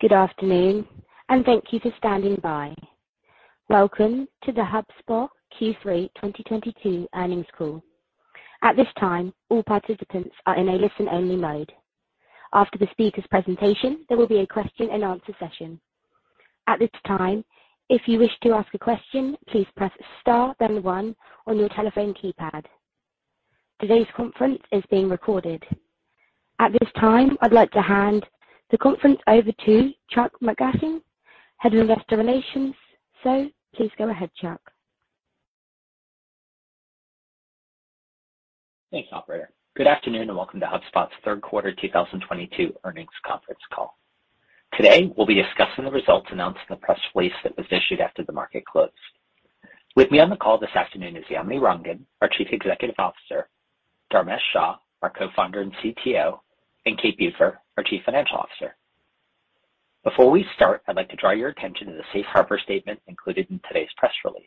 Good afternoon, and thank you for standing by. Welcome to the HubSpot Q3 2022 earnings call. At this time, all participants are in a listen-only mode. After the speaker's presentation, there will be a question-and-answer session. At this time, if you wish to ask a question, please press star, then one on your telephone keypad. Today's conference is being recorded. At this time, I'd like to hand the conference over to Chuck MacGlashing, Head of Investor Relations. Please go ahead, Chuck. Thanks, operator. Good afternoon, and welcome to HubSpot's third quarter 2022 earnings conference call. Today, we'll be discussing the results announced in the press release that was issued after the market closed. With me on the call this afternoon is Yamini Rangan, our Chief Executive Officer, Dharmesh Shah, our Co-founder and CTO, and Kate Bueker, our Chief Financial Officer. Before we start, I'd like to draw your attention to the safe harbor statement included in today's press release.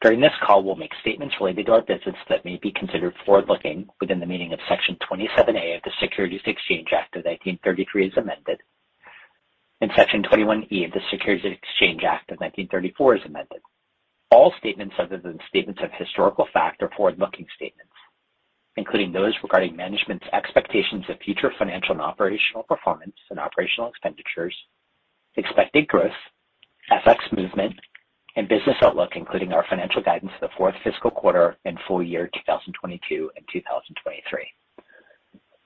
During this call, we'll make statements related to our business that may be considered forward-looking within the meaning of Section 27A of the Securities Act of 1933 as amended, and Section 21E of the Securities Exchange Act of 1934 as amended. All statements other than statements of historical fact are forward-looking statements, including those regarding management's expectations of future financial and operational performance and operational expenditures, expected growth, FX movement, and business outlook, including our financial guidance for the fourth fiscal quarter and full year 2022 and 2023.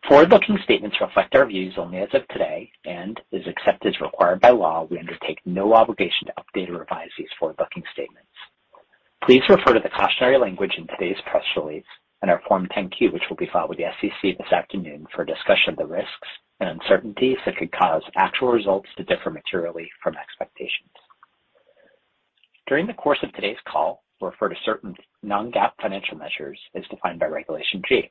Forward-looking statements reflect our views only as of today and is accepted as required by law. We undertake no obligation to update or revise these forward-looking statements. Please refer to the cautionary language in today's press release and our Form 10-Q, which will be filed with the SEC this afternoon for a discussion of the risks and uncertainties that could cause actual results to differ materially from expectations. During the course of today's call, we'll refer to certain non-GAAP financial measures as defined by Regulation G.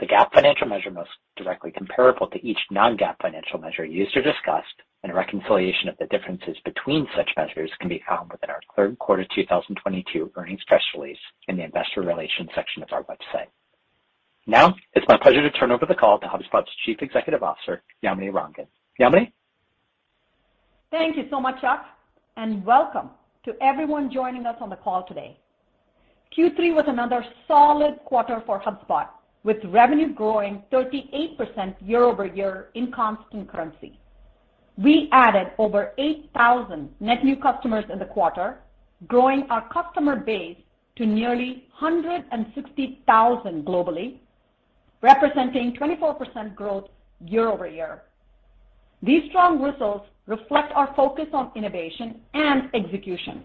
The GAAP financial measure most directly comparable to each non-GAAP financial measure used or discussed and a reconciliation of the differences between such measures can be found within our third quarter 2022 earnings press release in the investor relations section of our website. Now, it's my pleasure to turn over the call to HubSpot's Chief Executive Officer, Yamini Rangan. Yamini? Thank you so much, Chuck, and welcome to everyone joining us on the call today. Q3 was another solid quarter for HubSpot, with revenue growing 38% year-over-year in constant currency. We added over 8,000 net new customers in the quarter, growing our customer base to nearly 160,000 globally, representing 24% growth year-over-year. These strong results reflect our focus on innovation and execution.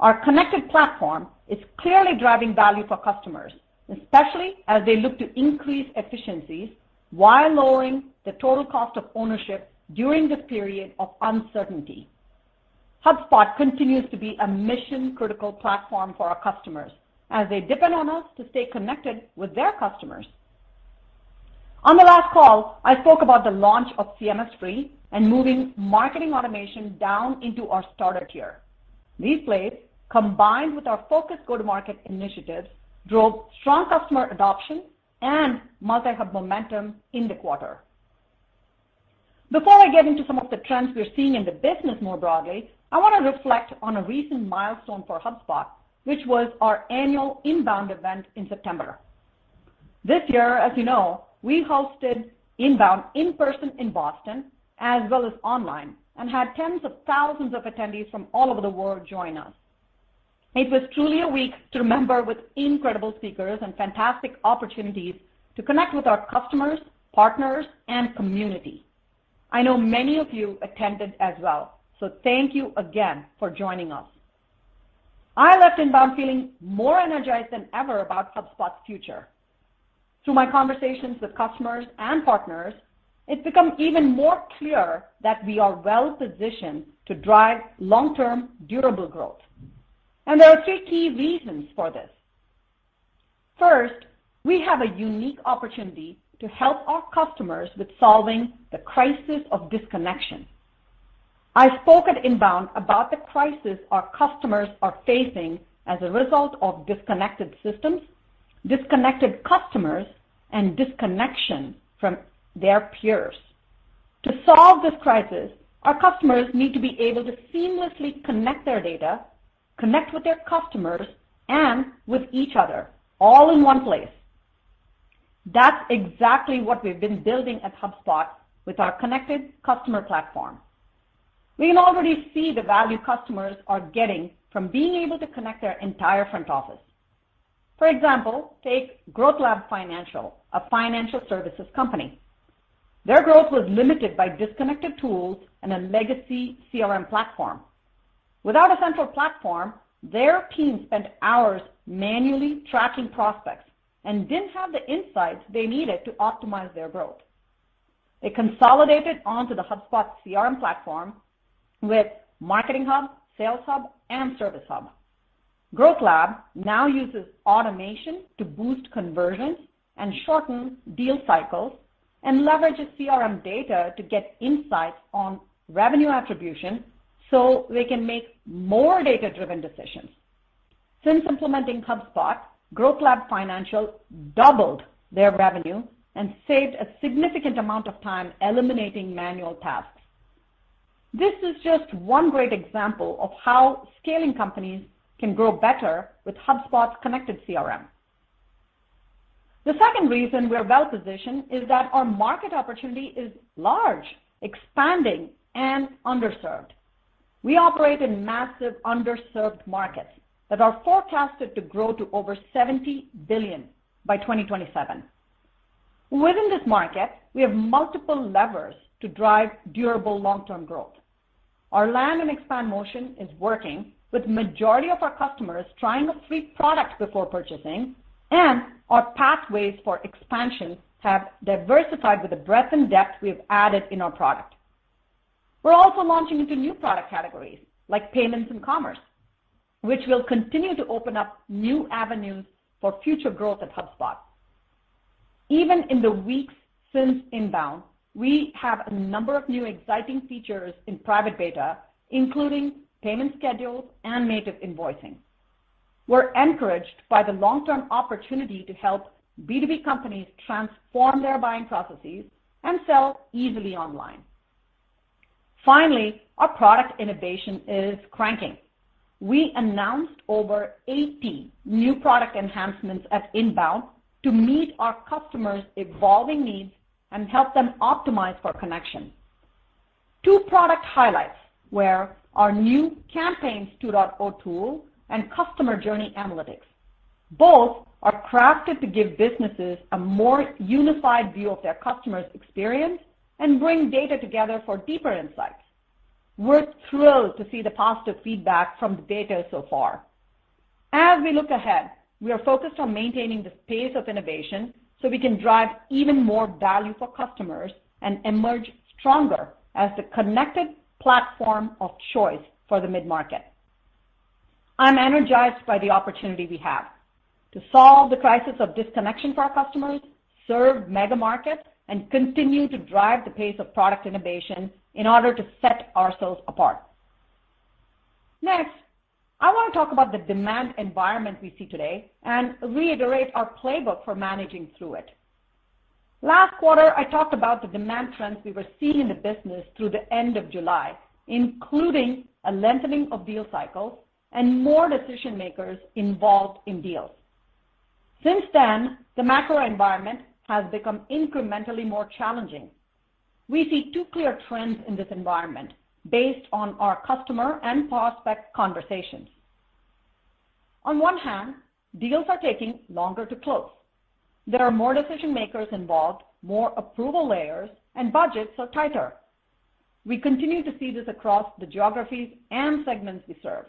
Our connected platform is clearly driving value for customers, especially as they look to increase efficiencies while lowering the total cost of ownership during this period of uncertainty. HubSpot continues to be a mission-critical platform for our customers as they depend on us to stay connected with their customers. On the last call, I spoke about the launch of CMS free and moving marketing automation down into our starter tier. These plays, combined with our focused go-to-market initiatives, drove strong customer adoption and multi-hub momentum in the quarter. Before I get into some of the trends we're seeing in the business more broadly, I wanna reflect on a recent milestone for HubSpot, which was our annual INBOUND event in September. This year, as you know, we hosted INBOUND in person in Boston as well as online and had tens of thousands of attendees from all over the world join us. It was truly a week to remember with incredible speakers and fantastic opportunities to connect with our customers, partners, and community. I know many of you attended as well, so thank you again for joining us. I left INBOUND feeling more energized than ever about HubSpot's future. Through my conversations with customers and partners, it's become even more clear that we are well-positioned to drive long-term, durable growth. There are three key reasons for this. First, we have a unique opportunity to help our customers with solving the crisis of disconnection. I spoke at INBOUND about the crisis our customers are facing as a result of disconnected systems, disconnected customers, and disconnection from their peers. To solve this crisis, our customers need to be able to seamlessly connect their data, connect with their customers and with each other, all in one place. That's exactly what we've been building at HubSpot with our connected customer platform. We can already see the value customers are getting from being able to connect their entire front office. For example, take GrowthLab Financial, a financial services company. Their growth was limited by disconnected tools and a legacy CRM platform. Without a central platform, their team spent hours manually tracking prospects and didn't have the insights they needed to optimize their growth. They consolidated onto the HubSpot CRM platform with Marketing Hub, Sales Hub, and Service Hub. GrowthLab Financial now uses automation to boost conversions and shorten deal cycles and leverages CRM data to get insights on revenue attribution so they can make more data-driven decisions. Since implementing HubSpot, GrowthLab Financial doubled their revenue and saved a significant amount of time eliminating manual tasks. This is just one great example of how scaling companies can grow better with HubSpot's connected CRM. The second reason we're well-positioned is that our market opportunity is large, expanding, and underserved. We operate in massive underserved markets that are forecasted to grow to over $70 billion by 2027. Within this market, we have multiple levers to drive durable long-term growth. Our land and expand motion is working with majority of our customers trying the three products before purchasing, and our pathways for expansion have diversified with the breadth and depth we've added in our product. We're also launching into new product categories like payments and commerce, which will continue to open up new avenues for future growth at HubSpot. Even in the weeks since INBOUND, we have a number of new exciting features in private beta, including payment schedules and native invoicing. We're encouraged by the long-term opportunity to help B2B companies transform their buying processes and sell easily online. Finally, our product innovation is cranking. We announced over 80 new product enhancements at INBOUND to meet our customers' evolving needs and help them optimize for connection. Two product highlights were our new Campaigns 2.0 tool and Customer Journey Analytics. Both are crafted to give businesses a more unified view of their customer's experience and bring data together for deeper insights. We're thrilled to see the positive feedback from the beta so far. As we look ahead, we are focused on maintaining the pace of innovation so we can drive even more value for customers and emerge stronger as the connected platform of choice for the mid-market. I'm energized by the opportunity we have to solve the crisis of disconnection for our customers, serve mega markets, and continue to drive the pace of product innovation in order to set ourselves apart. Next, I want to talk about the demand environment we see today and reiterate our playbook for managing through it. Last quarter, I talked about the demand trends we were seeing in the business through the end of July, including a lengthening of deal cycles and more decision-makers involved in deals. Since then, the macro environment has become incrementally more challenging. We see two clear trends in this environment based on our customer and prospect conversations. On one hand, deals are taking longer to close. There are more decision-makers involved, more approval layers, and budgets are tighter. We continue to see this across the geographies and segments we serve.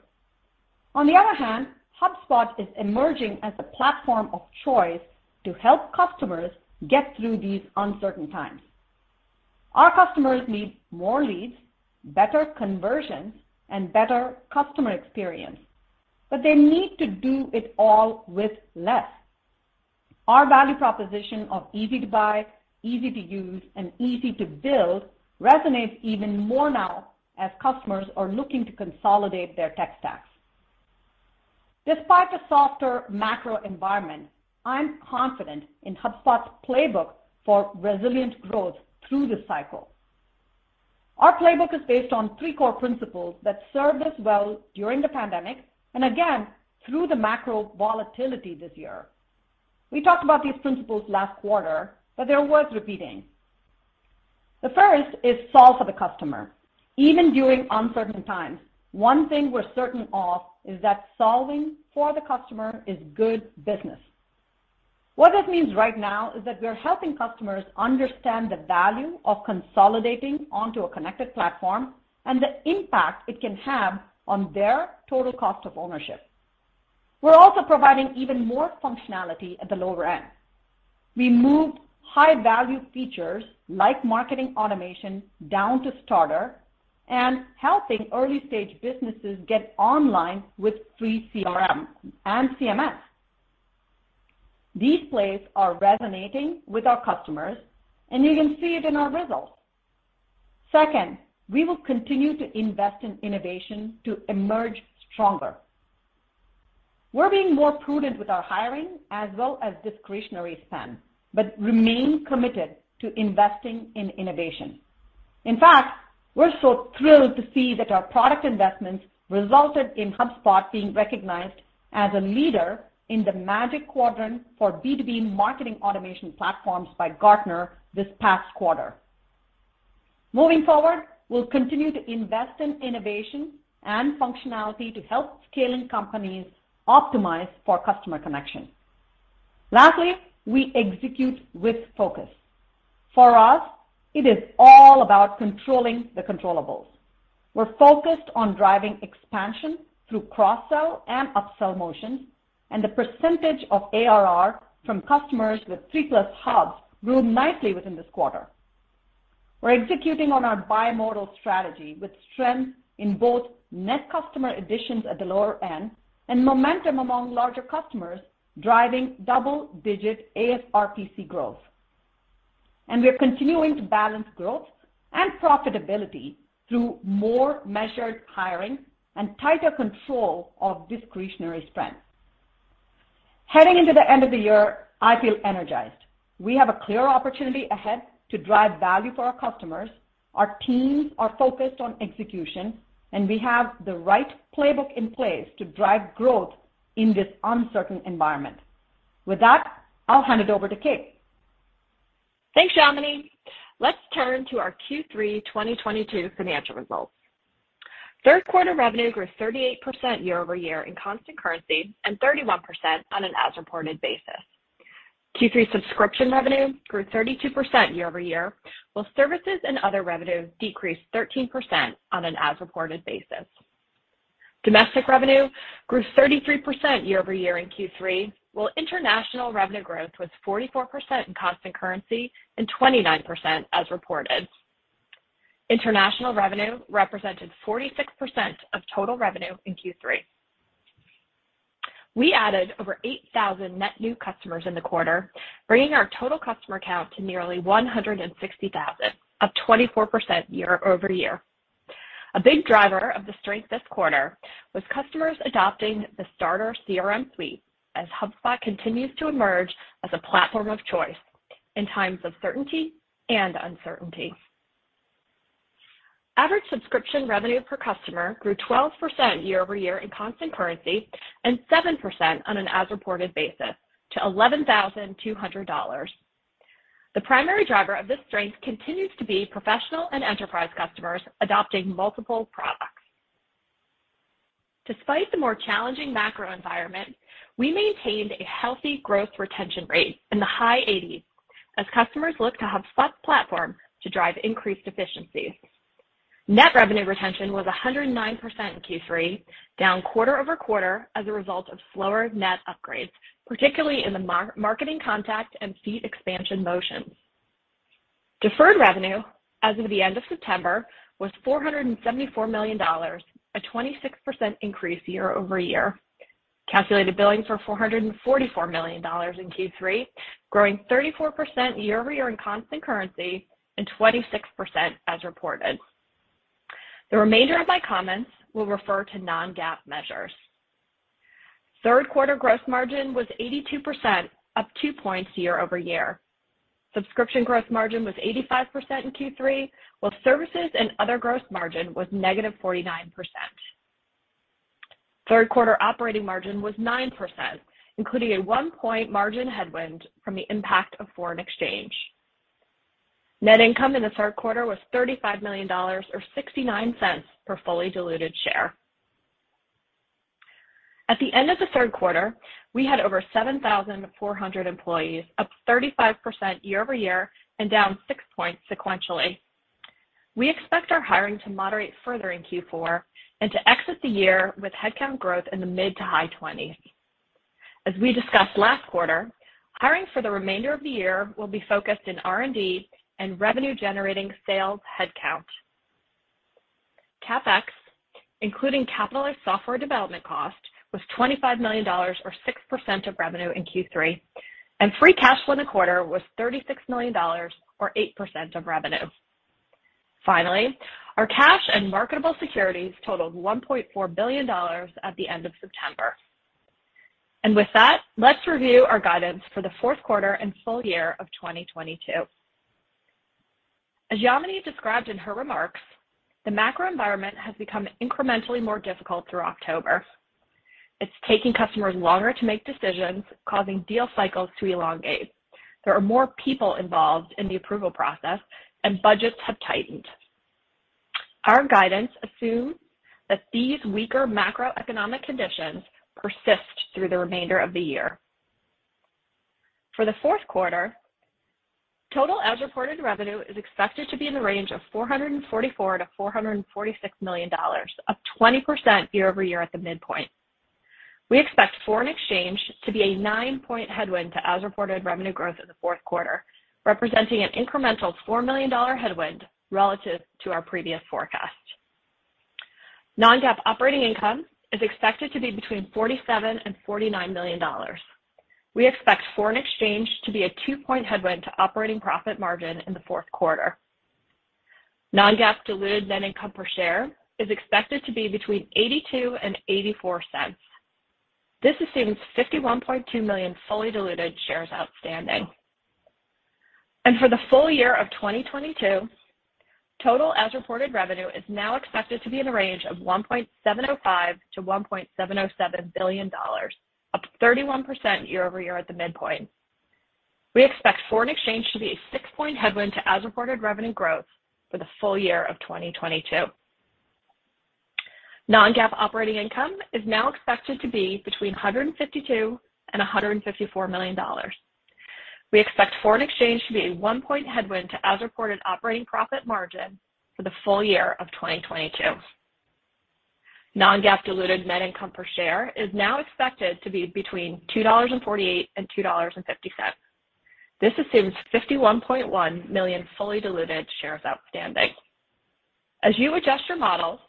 On the other hand, HubSpot is emerging as the platform of choice to help customers get through these uncertain times. Our customers need more leads, better conversion, and better customer experience, but they need to do it all with less. Our value proposition of easy to buy, easy to use, and easy to build resonates even more now as customers are looking to consolidate their tech stacks. Despite the softer macro environment, I'm confident in HubSpot's playbook for resilient growth through this cycle. Our playbook is based on three core principles that served us well during the pandemic and again, through the macro volatility this year. We talked about these principles last quarter, but they're worth repeating. The first is solve for the customer. Even during uncertain times, one thing we're certain of is that solving for the customer is good business. What that means right now is that we are helping customers understand the value of consolidating onto a connected platform and the impact it can have on their total cost of ownership. We're also providing even more functionality at the lower end. We moved high-value features like marketing automation down to starter and helping early-stage businesses get online with free CRM and CMS. These plays are resonating with our customers, and you can see it in our results. Second, we will continue to invest in innovation to emerge stronger. We're being more prudent with our hiring as well as discretionary spend, but remain committed to investing in innovation. In fact, we're so thrilled to see that our product investments resulted in HubSpot being recognized as a leader in the Magic Quadrant for B2B marketing automation platforms by Gartner this past quarter. Moving forward, we'll continue to invest in innovation and functionality to help scaling companies optimize for customer connection. Lastly, we execute with focus. For us, it is all about controlling the controllables. We're focused on driving expansion through cross-sell and up-sell motions, and the percentage of ARR from customers with three plus hubs grew nicely within this quarter. We're executing on our bimodal strategy with strength in both net customer additions at the lower end and momentum among larger customers driving double-digit ASRPC growth. We're continuing to balance growth and profitability through more measured hiring and tighter control of discretionary spend. Heading into the end of the year, I feel energized. We have a clear opportunity ahead to drive value for our customers, our teams are focused on execution, and we have the right playbook in place to drive growth in this uncertain environment. With that, I'll hand it over to Kate. Thanks, Yamini. Let's turn to our Q3 2022 financial results. Third quarter revenue grew 38% year-over-year in constant currency and 31% on an as-reported basis. Q3 subscription revenue grew 32% year-over-year, while services and other revenue decreased 13% on an as-reported basis. Domestic revenue grew 33% year-over-year in Q3, while international revenue growth was 44% in constant currency and 29% as reported. International revenue represented 46% of total revenue in Q3. We added over 8,000 net new customers in the quarter, bringing our total customer count to nearly 160,000, up 24% year-over-year. A big driver of the strength this quarter was customers adopting the Starter CRM Suite as HubSpot continues to emerge as a platform of choice in times of certainty and uncertainty. Average subscription revenue per customer grew 12% year-over-year in constant currency and 7% on an as-reported basis to $11,200. The primary driver of this strength continues to be professional and enterprise customers adopting multiple products. Despite the more challenging macro environment, we maintained a healthy growth retention rate in the high eighties as customers look to HubSpot's platform to drive increased efficiencies. Net revenue retention was 109% in Q3, down quarter-over-quarter as a result of slower net upgrades, particularly in the marketing contact and seat expansion motions. Deferred revenue as of the end of September was $474 million, a 26% increase year-over-year. Calculated billing of $444 million in Q3, growing 34% year-over-year in constant currency and 26% as reported. The remainder of my comments will refer to non-GAAP measures. Third quarter gross margin was 82%, up 2 points year-over-year. Subscription gross margin was 85% in Q3, while services and other gross margin was -49%. Third quarter operating margin was 9%, including a 1-point margin headwind from the impact of foreign exchange. Net income in the third quarter was $35 million or $0.69 per fully diluted share. At the end of the third quarter, we had over 7,400 employees, up 35% year-over-year and down 6 points sequentially. We expect our hiring to moderate further in Q4 and to exit the year with headcount growth in the mid- to high-20s. As we discussed last quarter, hiring for the remainder of the year will be focused in R&D and revenue-generating sales headcount. CapEx, including capitalized software development cost, was $25 million or 6% of revenue in Q3, and free cash flow in the quarter was $36 million or 8% of revenue. Finally, our cash and marketable securities totaled $1.4 billion at the end of September. With that, let's review our guidance for the fourth quarter and full year of 2022. As Yamini described in her remarks, the macro environment has become incrementally more difficult through October. It's taking customers longer to make decisions, causing deal cycles to elongate. There are more people involved in the approval process, and budgets have tightened. Our guidance assumes that these weaker macroeconomic conditions persist through the remainder of the year. For the fourth quarter, total as-reported revenue is expected to be in the range of $444 million-$446 million, up 20% year-over-year at the midpoint. We expect foreign exchange to be a 9-point headwind to as-reported revenue growth in the fourth quarter, representing an incremental $4 million headwind relative to our previous forecast. non-GAAP operating income is expected to be between $47 million and $49 million. We expect foreign exchange to be a 2-point headwind to operating profit margin in the fourth quarter. non-GAAP diluted net income per share is expected to be between $0.82 and $0.84. This assumes 51.2 million fully diluted shares outstanding. For the full year of 2022, total as-reported revenue is now expected to be in the range of $1.705-$1.707 billion, up 31% year-over-year at the midpoint. We expect foreign exchange to be a 6-point headwind to as-reported revenue growth for the full year of 2022. Non-GAAP operating income is now expected to be between $152-$154 million. We expect foreign exchange to be a 1-point headwind to as-reported operating profit margin for the full year of 2022. Non-GAAP diluted net income per share is now expected to be between $2.48 and $2.50. This assumes 51.1 million fully diluted shares outstanding. As you adjust your models,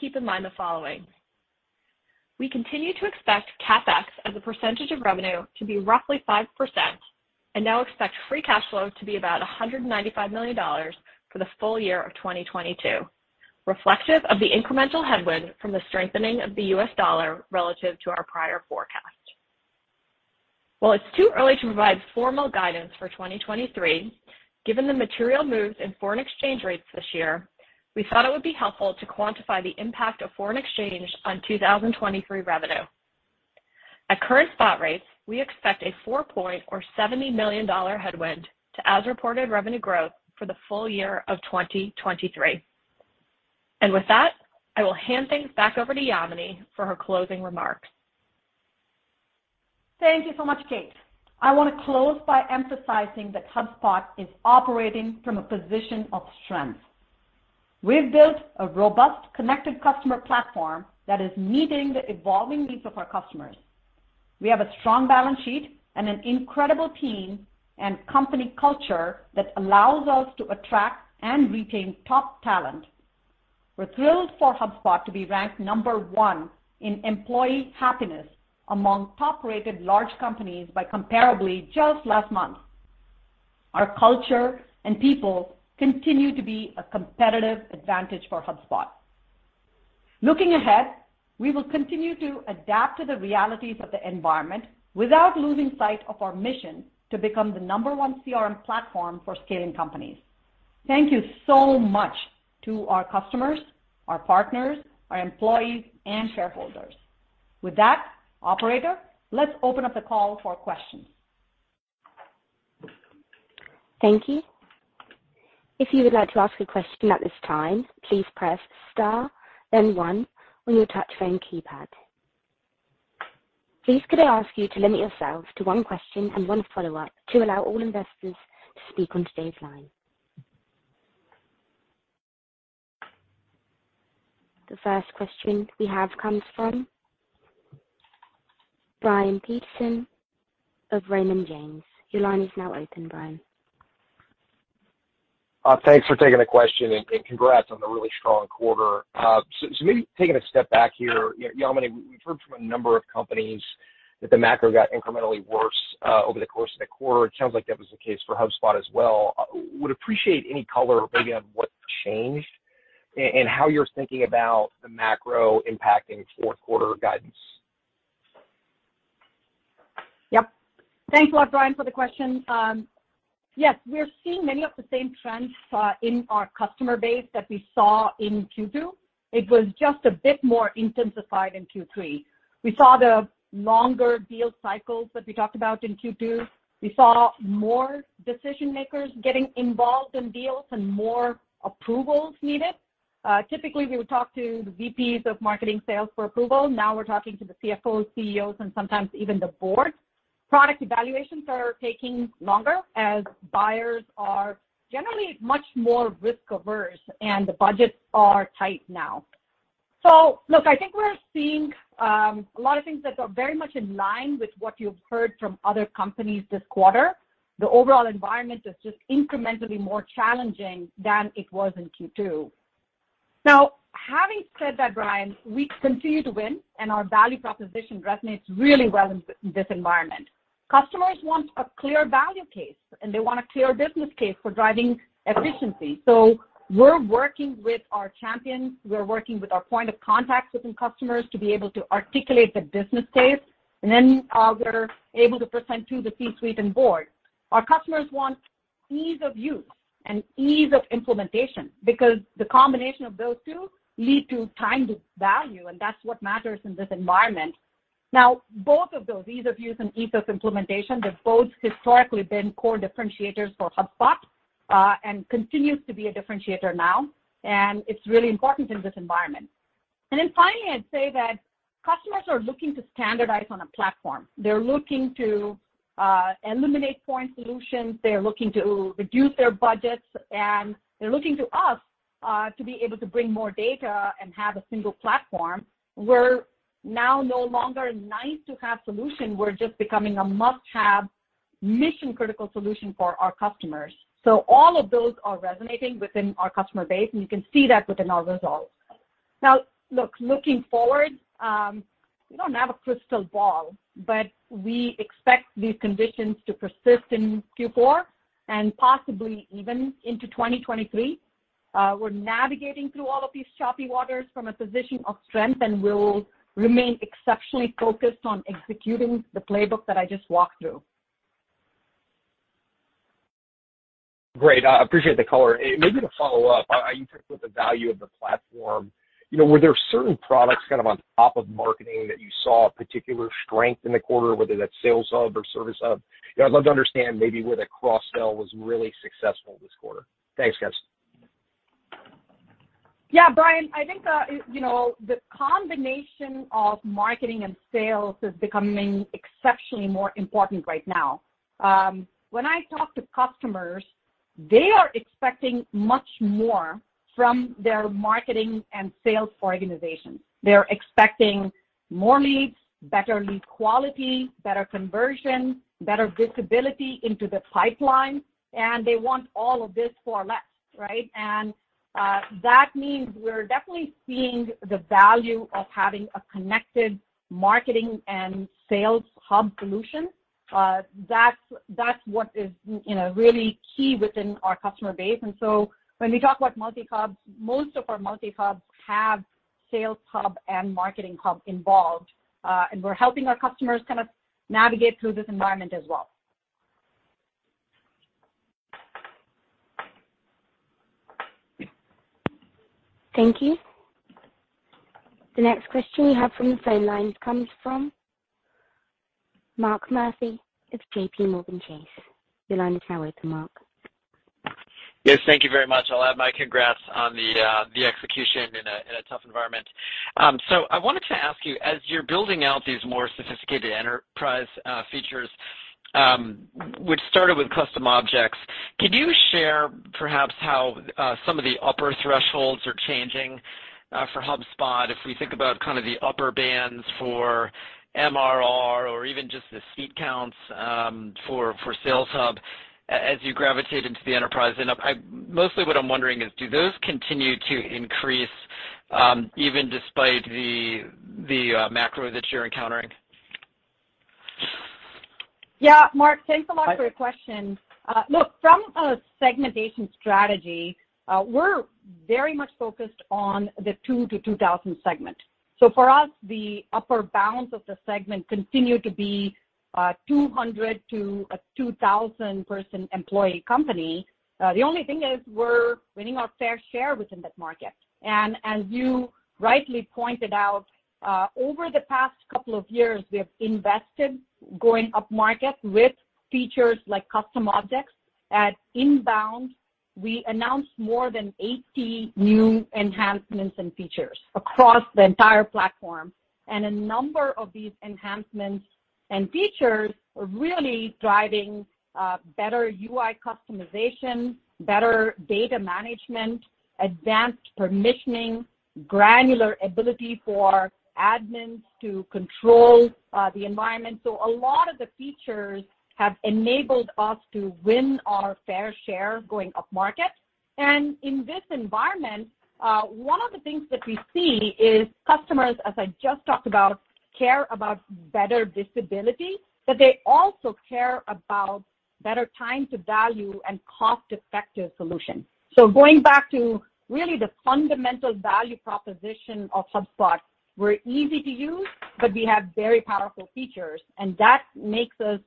keep in mind the following. We continue to expect CapEx as a percentage of revenue to be roughly 5% and now expect free cash flow to be about $195 million for the full year of 2022, reflective of the incremental headwind from the strengthening of the US dollar relative to our prior forecast. While it's too early to provide formal guidance for 2023, given the material moves in foreign exchange rates this year, we thought it would be helpful to quantify the impact of foreign exchange on 2023 revenue. At current spot rates, we expect a 4% or $70 million headwind to as-reported revenue growth for the full year of 2023. With that, I will hand things back over to Yamini for her closing remarks. Thank you so much, Kate. I want to close by emphasizing that HubSpot is operating from a position of strength. We've built a robust connected customer platform that is meeting the evolving needs of our customers. We have a strong balance sheet and an incredible team and company culture that allows us to attract and retain top talent. We're thrilled for HubSpot to be ranked number one in employee happiness among top-rated large companies by Comparably just last month. Our culture and people continue to be a competitive advantage for HubSpot. Looking ahead, we will continue to adapt to the realities of the environment without losing sight of our mission to become the number one CRM platform for scaling companies. Thank you so much to our customers, our partners, our employees and shareholders. With that, operator, let's open up the call for questions. Thank you. If you would like to ask a question at this time, please press star then one on your touch-tone keypad. Please could I ask you to limit yourself to one question and one follow-up to allow all investors to speak on today's line. The first question we have comes from Brian Peterson of Raymond James. Your line is now open, Brian. Thanks for taking the question and congrats on the really strong quarter. Maybe taking a step back here, Yamini, we've heard from a number of companies that the macro got incrementally worse over the course of the quarter. It sounds like that was the case for HubSpot as well. Would appreciate any color maybe on what changed and how you're thinking about the macro impacting fourth quarter guidance? Yep. Thanks a lot, Brian, for the question. Yes, we're seeing many of the same trends in our customer base that we saw in Q2. It was just a bit more intensified in Q3. We saw the longer deal cycles that we talked about in Q2. We saw more decision-makers getting involved in deals and more approvals needed. Typically, we would talk to the VPs of marketing sales for approval. Now we're talking to the CFOs, CEOs, and sometimes even the board. Product evaluations are taking longer as buyers are generally much more risk-averse, and the budgets are tight now. Look, I think we're seeing a lot of things that are very much in line with what you've heard from other companies this quarter. The overall environment is just incrementally more challenging than it was in Q2. Now, having said that, Brian, we continue to win and our value proposition resonates really well in this environment. Customers want a clear value case, and they want a clear business case for driving efficiency. We're working with our champions, we're working with our point of contacts within customers to be able to articulate the business case, and then we're able to present to the C-suite and board. Our customers want ease of use and ease of implementation because the combination of those two lead to time to value, and that's what matters in this environment. Now, both of those, ease of use and ease of implementation, they've both historically been core differentiators for HubSpot, and continues to be a differentiator now, and it's really important in this environment. Then finally, I'd say that customers are looking to standardize on a platform. They're looking to eliminate foreign solutions, they're looking to reduce their budgets, and they're looking to us to be able to bring more data and have a single platform. We're now no longer nice-to-have solution, we're just becoming a must-have mission-critical solution for our customers. All of those are resonating within our customer base, and you can see that within our results. Now, looking forward, we don't have a crystal ball, but we expect these conditions to persist in Q4 and possibly even into 2023. We're navigating through all of these choppy waters from a position of strength, and we'll remain exceptionally focused on executing the playbook that I just walked through. Great. I appreciate the color. Maybe to follow up, you talked about the value of the platform. You know, were there certain products kind of on top of marketing that you saw particular strength in the quarter, whether that's Sales Hub or Service Hub? You know, I'd love to understand maybe where the cross-sell was really successful this quarter. Thanks, guys. Yeah, Brian, I think, you know, the combination of marketing and sales is becoming exceptionally more important right now. When I talk to customers, they are expecting much more from their marketing and sales organizations. They're expecting more leads, better lead quality, better conversion, better visibility into the pipeline, and they want all of this for less, right? That means we're definitely seeing the value of having a connected marketing and sales hub solution. That's what is, you know, really key within our customer base. When we talk about multi-hub, most of our multi-hub have Sales Hub and Marketing Hub involved. We're helping our customers kind of navigate through this environment as well. Thank you. The next question we have from the phone lines comes from Mark Murphy of JPMorgan Chase. Your line is now open, Mark. Yes, thank you very much. I'll add my congrats on the execution in a tough environment. So I wanted to ask you, as you're building out these more sophisticated enterprise features, which started with custom objects, could you share perhaps how some of the upper thresholds are changing for HubSpot if we think about kind of the upper bands for MRR or even just the seat counts for Sales Hub as you gravitate into the enterprise? Mostly what I'm wondering is do those continue to increase even despite the macro that you're encountering? Yeah, Mark, thanks a lot for your question. Look, from a segmentation strategy, we're very much focused on the two to 2,000 segment. For us, the upper bounds of the segment continue to be, 200 to a 2,000-person employee company. The only thing is we're winning our fair share within that market. As you rightly pointed out, over the past couple of years, we have invested going up market with features like custom objects. At INBOUND, we announced more than 80 new enhancements and features across the entire platform, and a number of these enhancements and features are really driving, better UI customization, better data management, advanced permissioning, granular ability for admins to control, the environment. A lot of the features have enabled us to win our fair share going up market. In this environment, one of the things that we see is customers, as I just talked about, care about better visibility, but they also care about better time to value and cost-effective solution. Going back to really the fundamental value proposition of HubSpot, we're easy to use, but we have very powerful features, and that makes us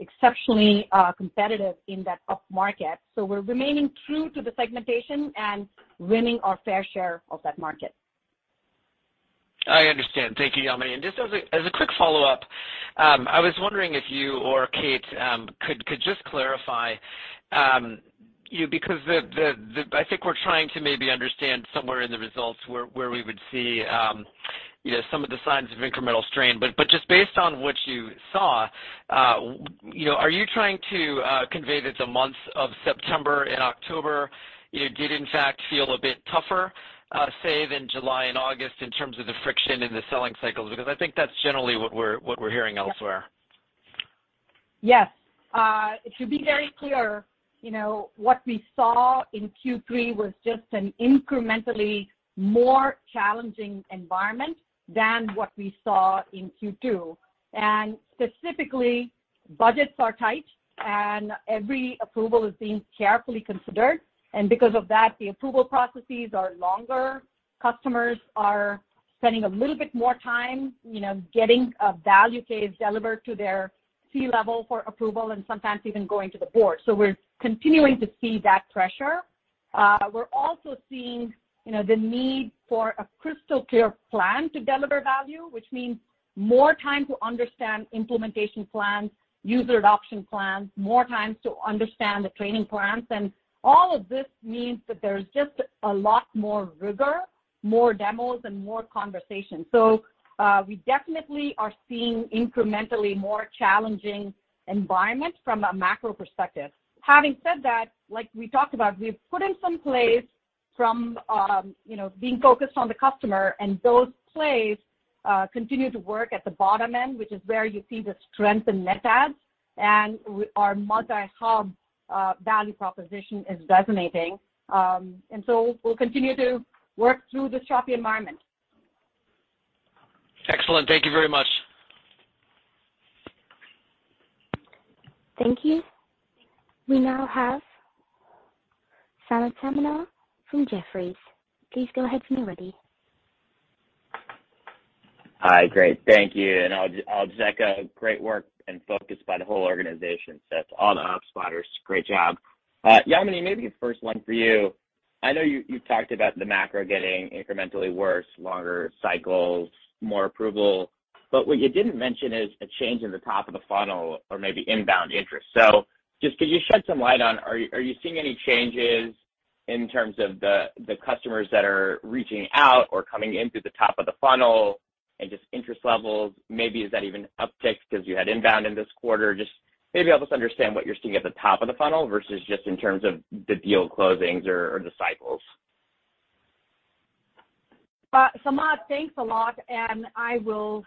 exceptionally competitive in that upmarket. We're remaining true to the segmentation and winning our fair share of that market. I understand. Thank you, Yamini. Just as a quick follow-up, I was wondering if you or Kate could just clarify, you know. I think we're trying to maybe understand somewhere in the results where we would see, you know, some of the signs of incremental strain. But just based on what you saw, you know, are you trying to convey that the months of September and October, you know, did in fact feel a bit tougher, say than July and August in terms of the friction in the selling cycles? Because I think that's generally what we're hearing elsewhere. Yes. To be very clear, you know, what we saw in Q3 was just an incrementally more challenging environment than what we saw in Q2. Specifically, budgets are tight, and every approval is being carefully considered. Because of that, the approval processes are longer. Customers are spending a little bit more time, you know, getting a value case delivered to their C-level for approval and sometimes even going to the board. We're continuing to see that pressure. We're also seeing, you know, the need for a crystal clear plan to deliver value, which means more time to understand implementation plans, user adoption plans, more times to understand the training plans. All of this means that there's just a lot more rigor, more demos, and more conversations. We definitely are seeing incrementally more challenging environment from a macro perspective. Having said that, like we talked about, we've put in some plays from you know, being focused on the customer, and those plays continue to work at the bottom end, which is where you see the strength in net adds, and our multi-hub value proposition is resonating. We'll continue to work through this choppy environment. Excellent. Thank you very much. Thank you. We now have Samad Samana from Jefferies. Please go ahead when you're ready. Hi, great. Thank you. I'll just echo great work and focus by the whole organization. To all the HubSpotters, great job. Yamini, maybe the first one for you. I know you've talked about the macro getting incrementally worse, longer cycles, more approval. What you didn't mention is a change in the top of the funnel or maybe inbound interest. Just could you shed some light on, are you seeing any changes in terms of the customers that are reaching out or coming in through the top of the funnel and just interest levels? Maybe is that even uptick because you had inbound in this quarter? Just maybe help us understand what you're seeing at the top of the funnel versus just in terms of the deal closings or the cycles. Samad, thanks a lot, and I will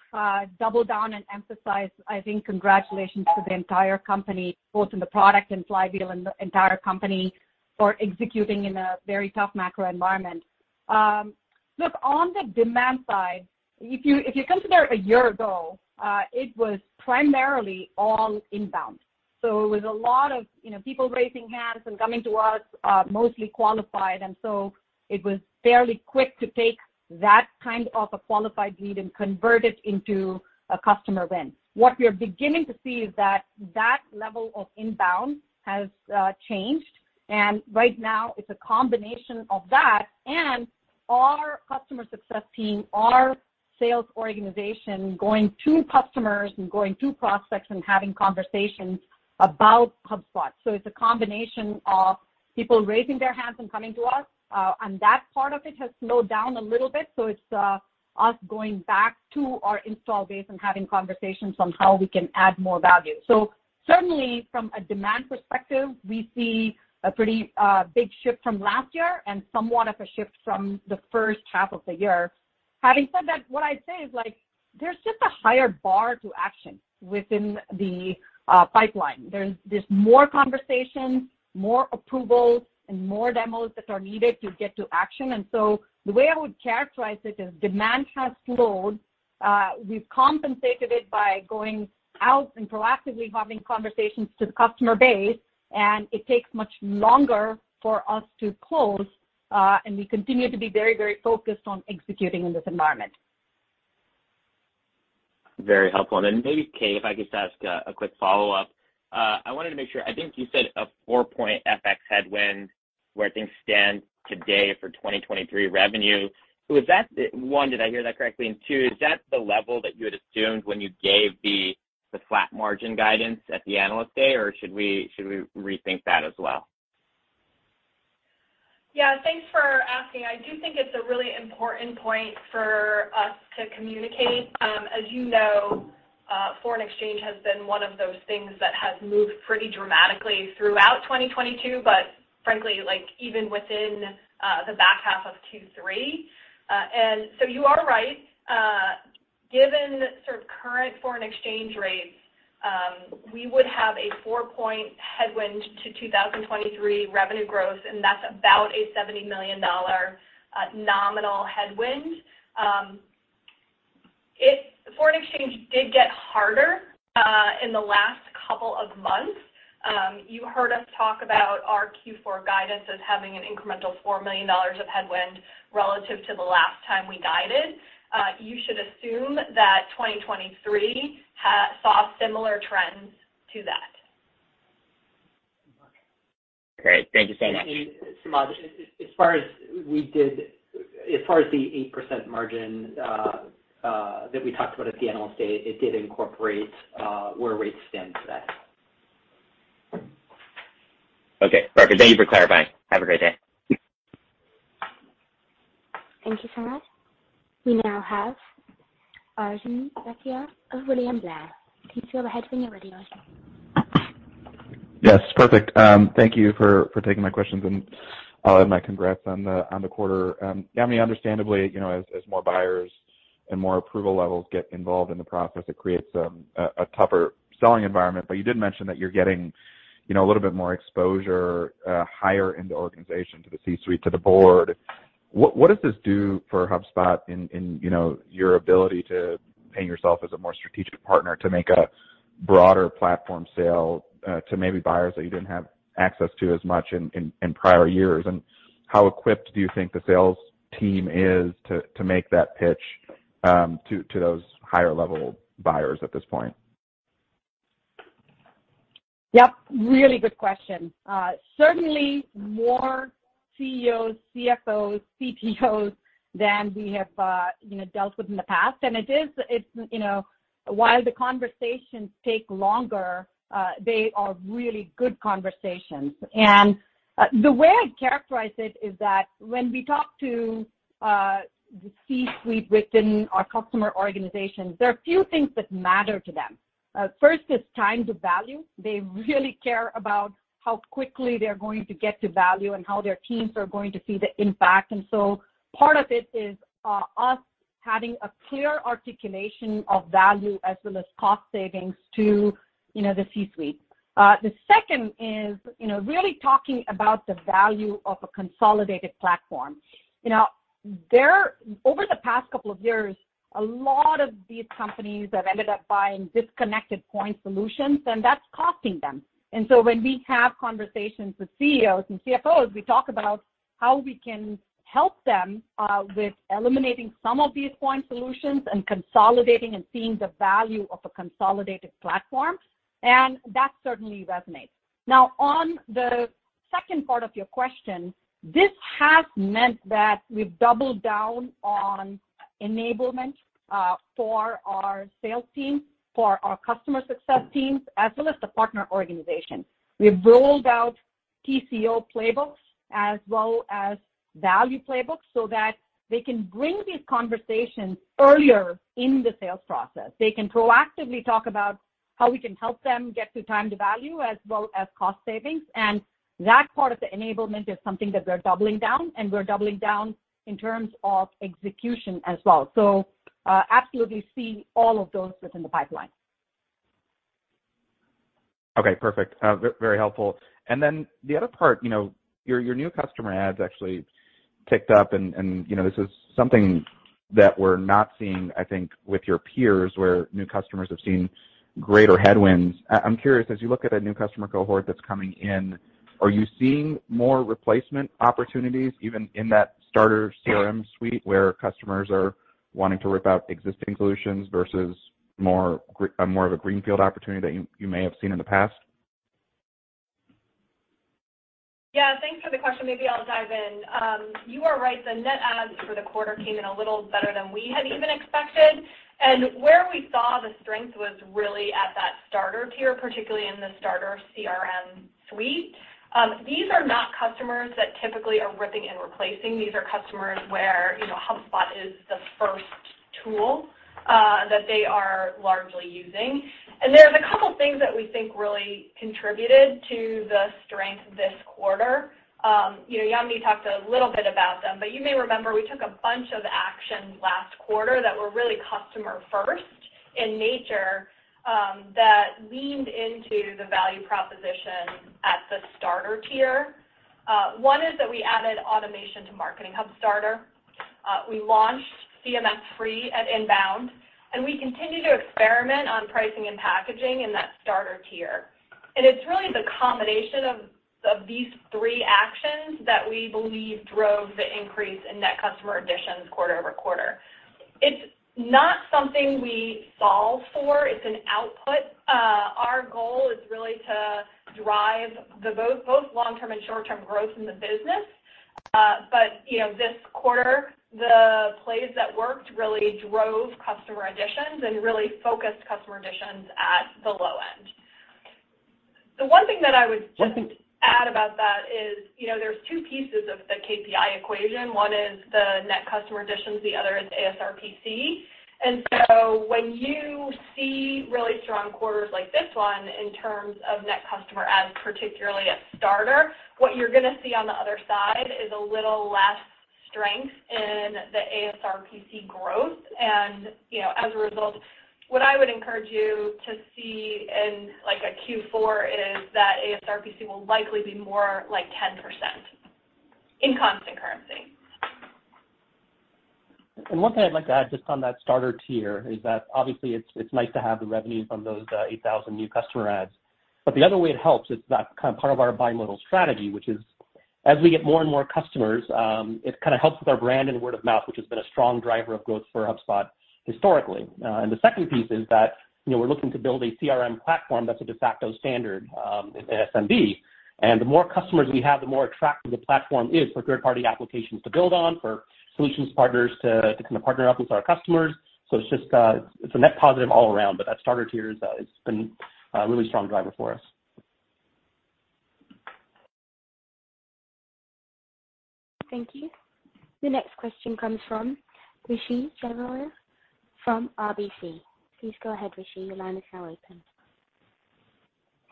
double down and emphasize, I think congratulations to the entire company, both in the product and Flywheel and the entire company for executing in a very tough macro environment. Look, on the demand side, if you consider a year ago, it was primarily all inbound. It was a lot of, you know, people raising hands and coming to us, mostly qualified. It was fairly quick to take that kind of a qualified lead and convert it into a customer win. What we are beginning to see is that that level of inbound has changed. Right now, it's a combination of that and our customer success team, our sales organization going to customers and going to prospects and having conversations about HubSpot. It's a combination of people raising their hands and coming to us. That part of it has slowed down a little bit, so it's us going back to our installed base and having conversations on how we can add more value. Certainly from a demand perspective, we see a pretty big shift from last year and somewhat of a shift from the first half of the year. Having said that, what I'd say is like, there's just a higher bar to action within the pipeline. There's more conversations, more approvals, and more demos that are needed to get to action. The way I would characterize it is demand has slowed. We've compensated it by going out and proactively having conversations with the customer base, and it takes much longer for us to close, and we continue to be very, very focused on executing in this environment. Very helpful. Then maybe, Kate, if I could just ask a quick follow-up. I wanted to make sure. I think you said a 4-point FX headwind, where things stand today, for 2023 revenue. Is that one, did I hear that correctly? Two, is that the level that you had assumed when you gave the flat margin guidance at the Analyst Day, or should we rethink that as well? Yeah. Thanks for asking. I do think it's a really important point for us to communicate. As you know, foreign exchange has been one of those things that has moved pretty dramatically throughout 2022, but frankly, like, even within the back half of Q3. You are right. Given sort of current foreign exchange rates, we would have a 4-point headwind to 2023 revenue growth, and that's about a $70 million nominal headwind. Foreign exchange did get harder in the last couple of months. You heard us talk about our Q4 guidance as having an incremental $4 million of headwind relative to the last time we guided. You should assume that 2023 saw similar trends to that. Great. Thank you. Same here. Samad, as far as the 8% margin that we talked about at the Analyst Day, it did incorporate where rates stand today. Okay. Perfect. Thank you for clarifying. Have a great day. Thank you, Samad. We now have Arjun Bhatia of William Blair. Please go ahead when you're ready. Yes. Perfect. Thank you for taking my questions, and I'll add my congrats on the quarter. I mean, understandably, you know, as more buyers and more approval levels get involved in the process, it creates a tougher selling environment. But you did mention that you're getting, you know, a little bit more exposure higher in the organization to the C-suite, to the board. What does this do for HubSpot in, you know, your ability to paint yourself as a more strategic partner to make a broader platform sale to maybe buyers that you didn't have access to as much in prior years? And how equipped do you think the sales team is to make that pitch to those higher-level buyers at this point? Yep, really good question. Certainly more CEOs, CFOs, CTOs than we have, you know, dealt with in the past. It's, you know, while the conversations take longer, they are really good conversations. The way I'd characterize it is that when we talk to the C-suite within our customer organizations, there are a few things that matter to them. First is time to value. They really care about how quickly they're going to get to value and how their teams are going to see the impact. Part of it is us having a clear articulation of value as well as cost savings to, you know, the C-suite. The second is, you know, really talking about the value of a consolidated platform. You know, over the past couple of years, a lot of these companies have ended up buying disconnected point solutions, and that's costing them. When we have conversations with CEOs and CFOs, we talk about how we can help them with eliminating some of these point solutions and consolidating and seeing the value of a consolidated platform. That certainly resonates. Now, on the second part of your question, this has meant that we've doubled down on enablement for our sales team, for our customer success teams, as well as the partner organization. We've rolled out TCO playbooks as well as value playbooks so that they can bring these conversations earlier in the sales process. They can proactively talk about how we can help them get to time to value as well as cost savings. That part of the enablement is something that we're doubling down, and we're doubling down in terms of execution as well. Absolutely see all of those within the pipeline. Okay, perfect. Very helpful. Then the other part, you know, your new customer adds actually ticked up and, you know, this is something that we're not seeing, I think, with your peers, where new customers have seen greater headwinds. I'm curious, as you look at a new customer cohort that's coming in, are you seeing more replacement opportunities even in that Starter CRM Suite, where customers are wanting to rip out existing solutions versus more of a greenfield opportunity that you may have seen in the past? Yeah, thanks for the question. Maybe I'll dive in. You are right. The net adds for the quarter came in a little better than we had even expected. Where we saw the strength was really at that starter tier, particularly in the Starter CRM Suite. These are not customers that typically are ripping and replacing. These are customers where, you know, HubSpot is the first tool that they are largely using. There's a couple things that we think really contributed to the strength this quarter. You know, Yamini talked a little bit about them, but you may remember we took a bunch of actions last quarter that were really customer-first in nature, that leaned into the value proposition at the starter tier. One is that we added automation to Marketing Hub Starter. We launched CMS Free at INBOUND, and we continue to experiment on pricing and packaging in that starter tier. It's really the combination of these three actions that we believe drove the increase in net customer additions quarter-over-quarter. It's not something we solve for. It's an output. Our goal is really to drive both long-term and short-term growth in the business. You know, this quarter, the plays that worked really drove customer additions and really focused customer additions at the low end. The one thing that I would just add about that is, you know, there's two pieces of the KPI equation. One is the net customer additions, the other is ASRPC. When you see really strong quarters like this one in terms of net customer adds, particularly at starter, what you're gonna see on the other side is a little less strength in the ASRPC growth. You know, as a result, what I would encourage you to see in, like, a Q4 is that ASRPC will likely be more like 10% in constant currency. One thing I'd like to add just on that starter tier is that obviously it's nice to have the revenue from those 8,000 new customer adds. The other way it helps is that kind of part of our bimodal strategy, which is as we get more and more customers, it kinda helps with our brand and word of mouth, which has been a strong driver of growth for HubSpot historically. The second piece is that, you know, we're looking to build a CRM platform that's a de facto standard in SMB. The more customers we have, the more attractive the platform is for third-party applications to build on, for solutions partners to kind of partner up with our customers. It's just a net positive all around, but that starter tier has been a really strong driver for us. Thank you. The next question comes from Rishi Jaluria from RBC. Please go ahead, Rishi. Your line is now open.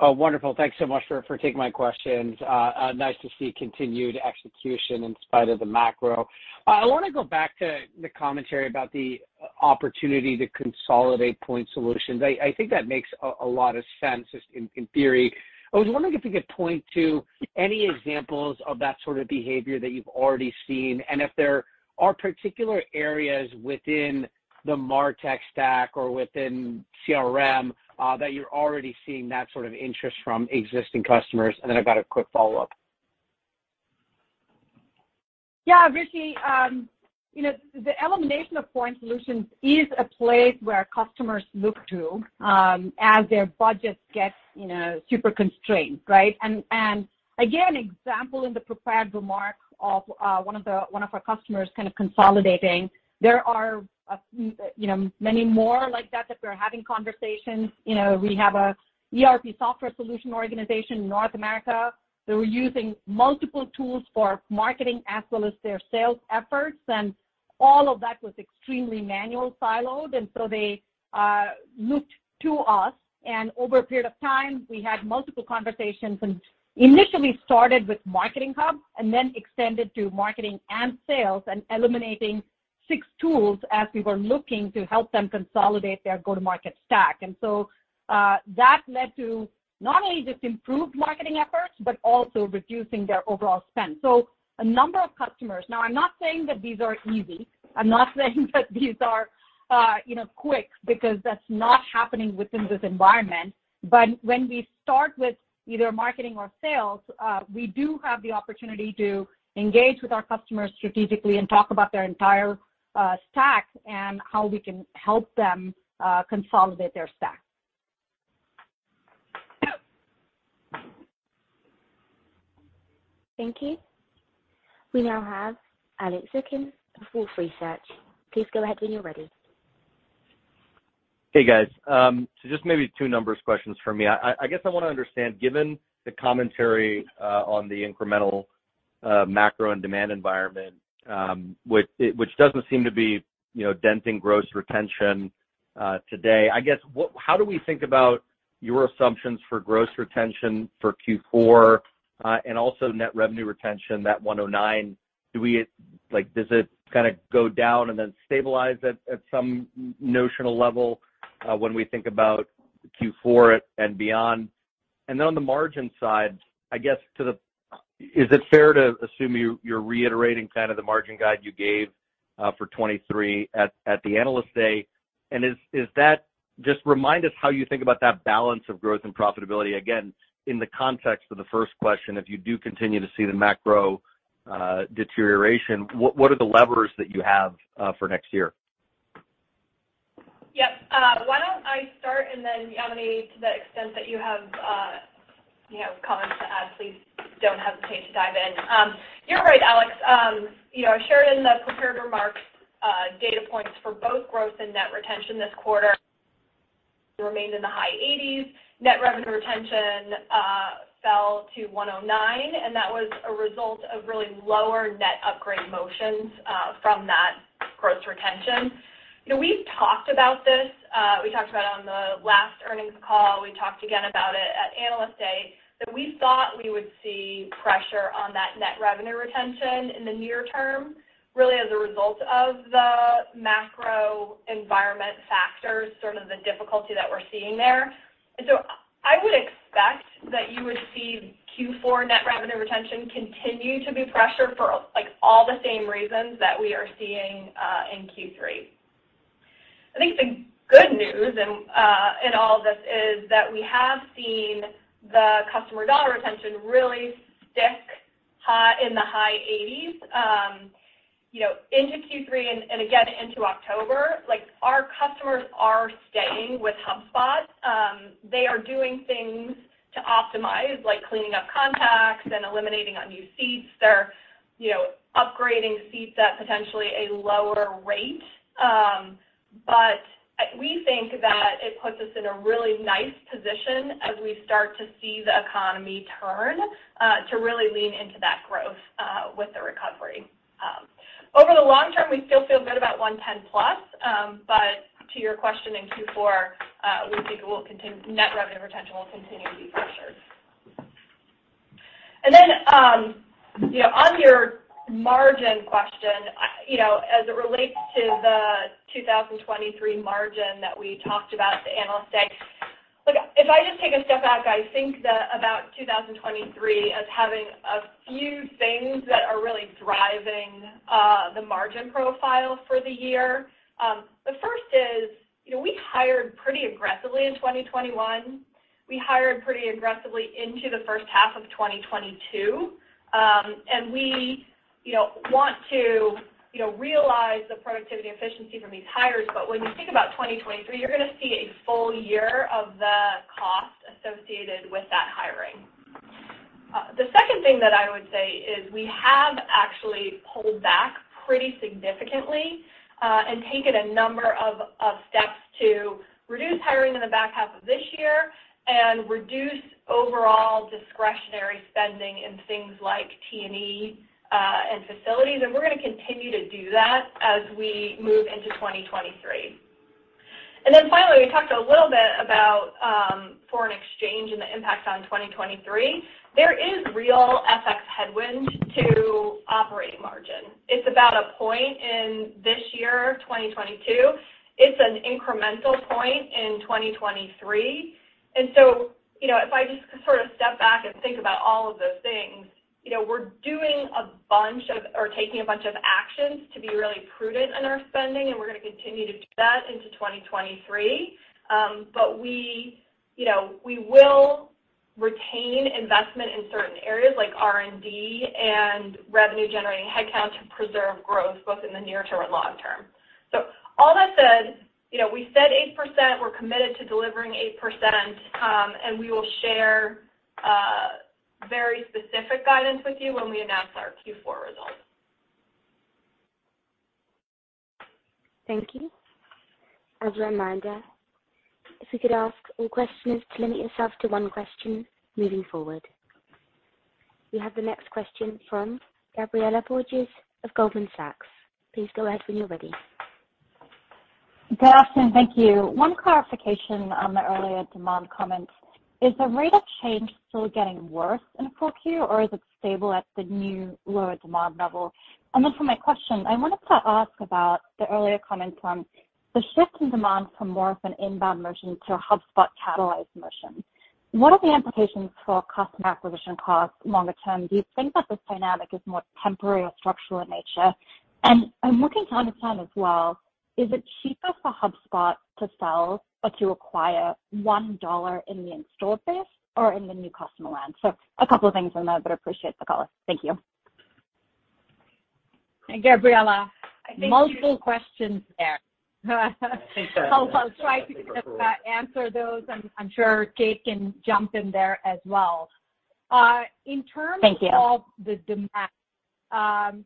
Oh, wonderful. Thanks so much for taking my questions. Nice to see continued execution in spite of the macro. I wanna go back to the commentary about the opportunity to consolidate point solutions. I think that makes a lot of sense just in theory. I was wondering if you could point to any examples of that sort of behavior that you've already seen, and if there are particular areas within the martech stack or within CRM that you're already seeing that sort of interest from existing customers. I've got a quick follow-up. Yeah, Rishi. You know, the elimination of point solutions is a place where customers look to as their budgets get, you know, super constrained, right? Again, example in the prepared remarks of one of our customers kind of consolidating. There are, you know, many more like that that we're having conversations. You know, we have a ERP software solution organization in North America. They were using multiple tools for marketing as well as their sales efforts, and all of that was extremely manually siloed. They looked to us, and over a period of time, we had multiple conversations and initially started with Marketing Hub and then extended to marketing and sales and eliminating six tools as we were looking to help them consolidate their go-to-market stack. That led to not only just improved marketing efforts, but also reducing their overall spend. A number of customers. Now, I'm not saying that these are easy. I'm not saying that these are, you know, quick because that's not happening within this environment. When we start with either marketing or sales, we do have the opportunity to engage with our customers strategically and talk about their entire stack and how we can help them consolidate their stack. Thank you. We now have Alex Zukin of Wolfe Research. Please go ahead when you're ready. Hey, guys. Just maybe two numbers questions from me. I guess I wanna understand, given the commentary, on the incremental Macro and demand environment, which doesn't seem to be, you know, denting gross retention today. I guess, how do we think about your assumptions for gross retention for Q4, and also net revenue retention, that 109? Like, does it kinda go down and then stabilize at some notional level, when we think about Q4 and beyond? And then on the margin side, I guess, is it fair to assume you're reiterating kind of the margin guide you gave for 2023 at the Analyst Day? And is that. Just remind us how you think about that balance of growth and profitability, again, in the context of the first question, if you do continue to see the macro deterioration, what are the levers that you have for next year? Yep. Why don't I start, and then Yamini, to the extent that you have, you know, comments to add, please don't hesitate to dive in. You're right, Alex. You know, I shared in the prepared remarks, data points for both growth and net retention this quarter remained in the high 80s%. Net revenue retention fell to 109%, and that was a result of really lower net upgrade motions from that gross retention. You know, we've talked about this. We talked about it on the last earnings call. We talked again about it at Analyst Day, that we thought we would see pressure on that net revenue retention in the near term, really as a result of the macro environment factors, sort of the difficulty that we're seeing there. I would expect that you would see Q4 net revenue retention continue to be pressured for, like, all the same reasons that we are seeing in Q3. I think the good news in all of this is that we have seen the customer dollar retention really stick in the high 80s, you know, into Q3 and again into October. Like, our customers are staying with HubSpot. They are doing things to optimize, like cleaning up contacts and eliminating unused seats. They're, you know, upgrading seats at potentially a lower rate. We think that it puts us in a really nice position as we start to see the economy turn to really lean into that growth with the recovery. Over the long term, we still feel good about 110+. To your question, in Q4, we think net revenue retention will continue to be pressured. On your margin question, you know, as it relates to the 2023 margin that we talked about at the Analyst Day, look, if I just take a step back, I think about 2023 as having a few things that are really driving the margin profile for the year. The first is, you know, we hired pretty aggressively in 2021. We hired pretty aggressively into the first half of 2022. We, you know, want to, you know, realize the productivity efficiency from these hires. When you think about 2023, you're gonna see a full year of the cost associated with that hiring. The second thing that I would say is we have actually pulled back pretty significantly, and taken a number of steps to reduce hiring in the back half of this year and reduce overall discretionary spending in things like T&E, and facilities. We're gonna continue to do that as we move into 2023. Then finally, we talked a little bit about foreign exchange and the impact on 2023. There is real FX headwind to operating margin. It's about a point in this year, 2022. It's an incremental point in 2023. You know, if I just sort of step back and think about all of those things, you know, we're taking a bunch of actions to be really prudent in our spending, and we're gonna continue to do that into 2023. We, you know, we will retain investment in certain areas, like R&D and revenue-generating headcount to preserve growth, both in the near term and long term. All that said, you know, we said 8%, we're committed to delivering 8%, and we will share very specific guidance with you when we announce our Q4 results. Thank you. As a reminder, if we could ask all questioners to limit yourself to one question moving forward. We have the next question from Gabriela Borges of Goldman Sachs. Please go ahead when you're ready. Good afternoon. Thank you. One clarification on the earlier demand comments. Is the rate of change still getting worse in 4Q, or is it stable at the new lower demand level? For my question, I wanted to ask about the earlier comments on the shift in demand from more of an inbound motion to a HubSpot-catalyzed motion. What are the implications for customer acquisition costs longer term? Do you think that this dynamic is more temporary or structural in nature? I'm looking to understand as well, is it cheaper for HubSpot to sell or to acquire $1 in the installed base or in the new customer land? A couple of things in there, but appreciate the call. Thank you. Gabriela- Thank you. Multiple questions there. I think so. I'll try to answer those. I'm sure Kate can jump in there as well. Thank you. of the demand.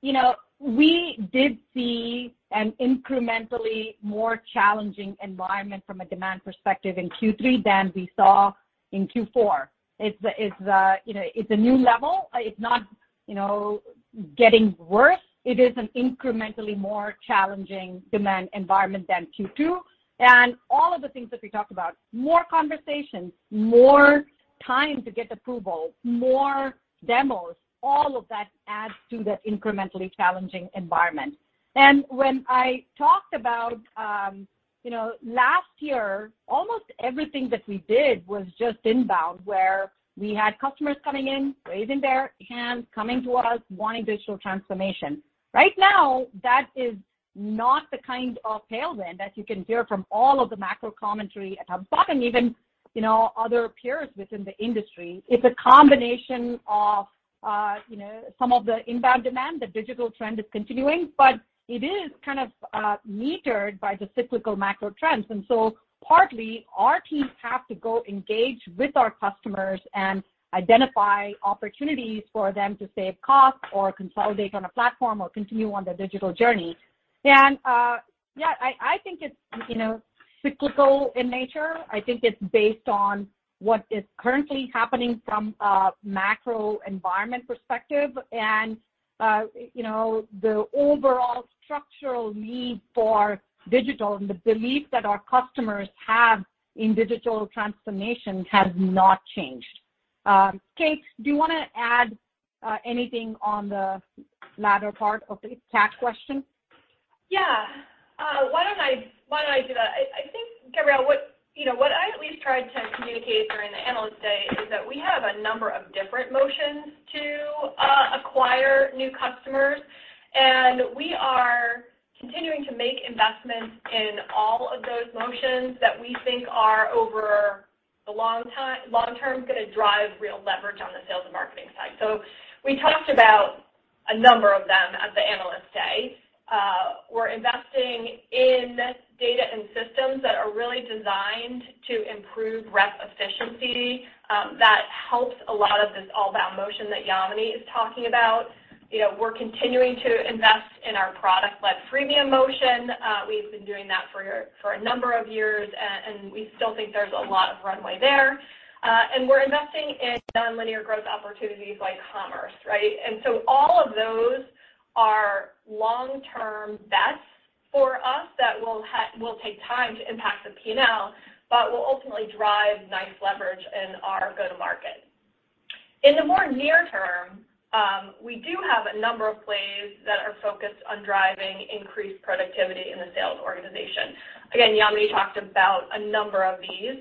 You know, we did see an incrementally more challenging environment from a demand perspective in Q3 than we saw in Q4. It's a new level. It's not, you know, getting worse. It is an incrementally more challenging demand environment than Q2. All of the things that we talked about, more conversations, more time to get approval, more demos, all of that adds to that incrementally challenging environment. When I talked about, you know, last year, almost everything that we did was just inbound, where we had customers coming in, raising their hands, coming to us, wanting digital transformation. Right now, that is not the kind of tailwind, as you can hear from all of the macro commentary at HubSpot and even, you know, other peers within the industry. It's a combination of, you know, some of the inbound demand, the digital trend is continuing, but it is kind of metered by the cyclical macro trends. Partly, our teams have to go engage with our customers and identify opportunities for them to save costs or consolidate on a platform or continue on their digital journey. Yeah, I think it's, you know, cyclical in nature. I think it's based on what is currently happening from a macro environment perspective. You know, the overall structural need for digital and the belief that our customers have in digital transformation has not changed. Kate, do you wanna add anything on the latter part of the cash question? Yeah. Why don't I do that? I think, Gabriela, you know, what I at least tried to communicate during the Analyst Day is that we have a number of different motions to acquire new customers, and we are continuing to make investments in all of those motions that we think are over the long term gonna drive real leverage on the sales and marketing side. We talked about a number of them at the Analyst Day. We're investing in data and systems that are really designed to improve rep efficiency, that helps a lot of this inbound motion that Yamini is talking about. You know, we're continuing to invest in our product-led freemium motion. We've been doing that for a number of years, and we still think there's a lot of runway there. We're investing in non-linear growth opportunities like commerce, right? All of those are long-term bets for us that will take time to impact the P&L, but will ultimately drive nice leverage in our go-to-market. In the more near term, we do have a number of plays that are focused on driving increased productivity in the sales organization. Again, Yamini talked about a number of these.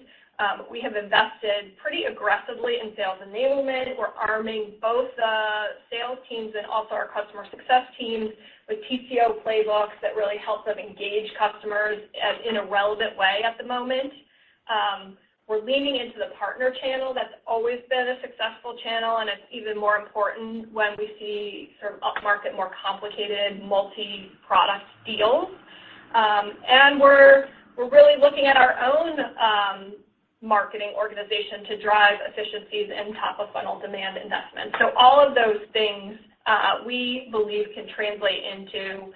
We have invested pretty aggressively in sales enablement. We're arming both the sales teams and also our customer success teams with TCO playbooks that really help them engage customers in a relevant way at the moment. We're leaning into the partner channel. That's always been a successful channel, and it's even more important when we see sort of upmarket, more complicated multi-product deals. We're really looking at our own marketing organization to drive efficiencies and top-of-funnel demand investments. All of those things we believe can translate into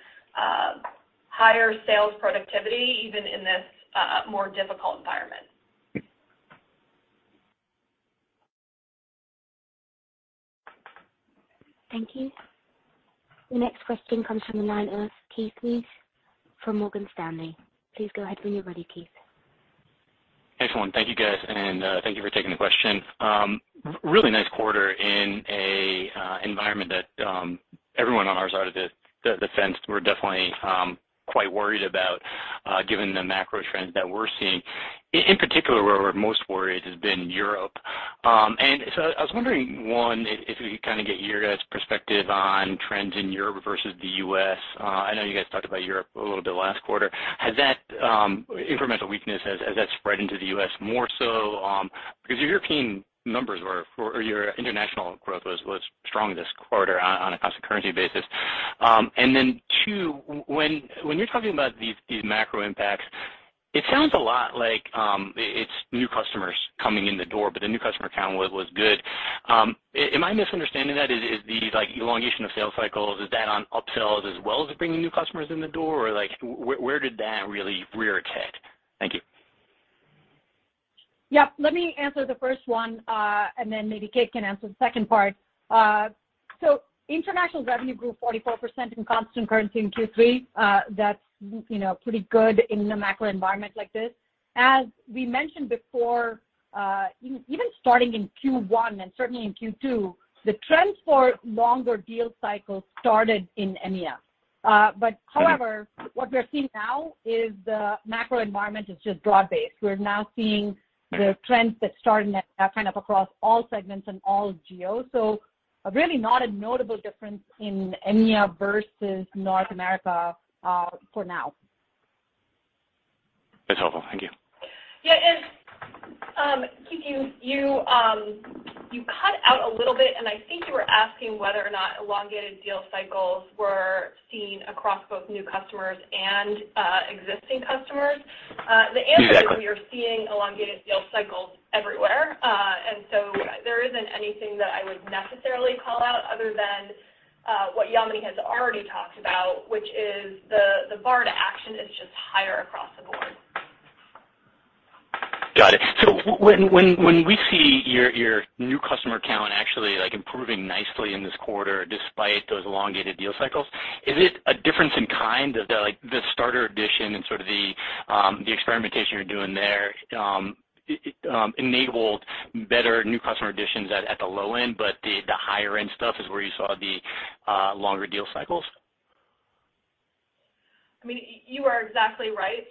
higher sales productivity, even in this more difficult environment. Thank you. The next question comes from the line of Keith Weiss from Morgan Stanley. Please go ahead when you're ready, Keith. Excellent. Thank you, guys, and thank you for taking the question. Really nice quarter in a environment that everyone on our side of the fence were definitely quite worried about, given the macro trends that we're seeing. In particular, where we're most worried has been Europe. I was wondering, one, if we could kinda get your guys' perspective on trends in Europe versus the U.S. I know you guys talked about Europe a little bit last quarter. Has that incremental weakness spread into the U.S. more so? 'Cause your European numbers were or your international growth was strong this quarter on a constant currency basis. Then too, when you're talking about these macro impacts, it sounds a lot like it's new customers coming in the door, but the new customer count was good. Am I misunderstanding that? Is the, like, elongation of sales cycles, is that on upsells as well as bringing new customers in the door? Or like, where did that really rear its head? Thank you. Yeah. Let me answer the first one, and then maybe Kate can answer the second part. International revenue grew 44% in constant currency in Q3. That's, you know, pretty good in a macro environment like this. As we mentioned before, even starting in Q1 and certainly in Q2, the trends for longer deal cycles started in EMEA. But however, what we're seeing now is the macro environment is just broad-based. We're now seeing the trends that started kind of across all segments and all geos. Really not a notable difference in EMEA versus North America, for now. That's helpful. Thank you. Yeah. Keith, you cut out a little bit, and I think you were asking whether or not elongated deal cycles were across both new customers and existing customers. The answer is we are seeing elongated sales cycles everywhere. There isn't anything that I would necessarily call out other than what Yamini has already talked about, which is the bar to action is just higher across the board. Got it. When we see your new customer count actually like improving nicely in this quarter despite those elongated deal cycles, is it a difference in kind of the like the starter edition and sort of the experimentation you're doing there enables better new customer additions at the low end, but the higher end stuff is where you saw the longer deal cycles? I mean, you are exactly right.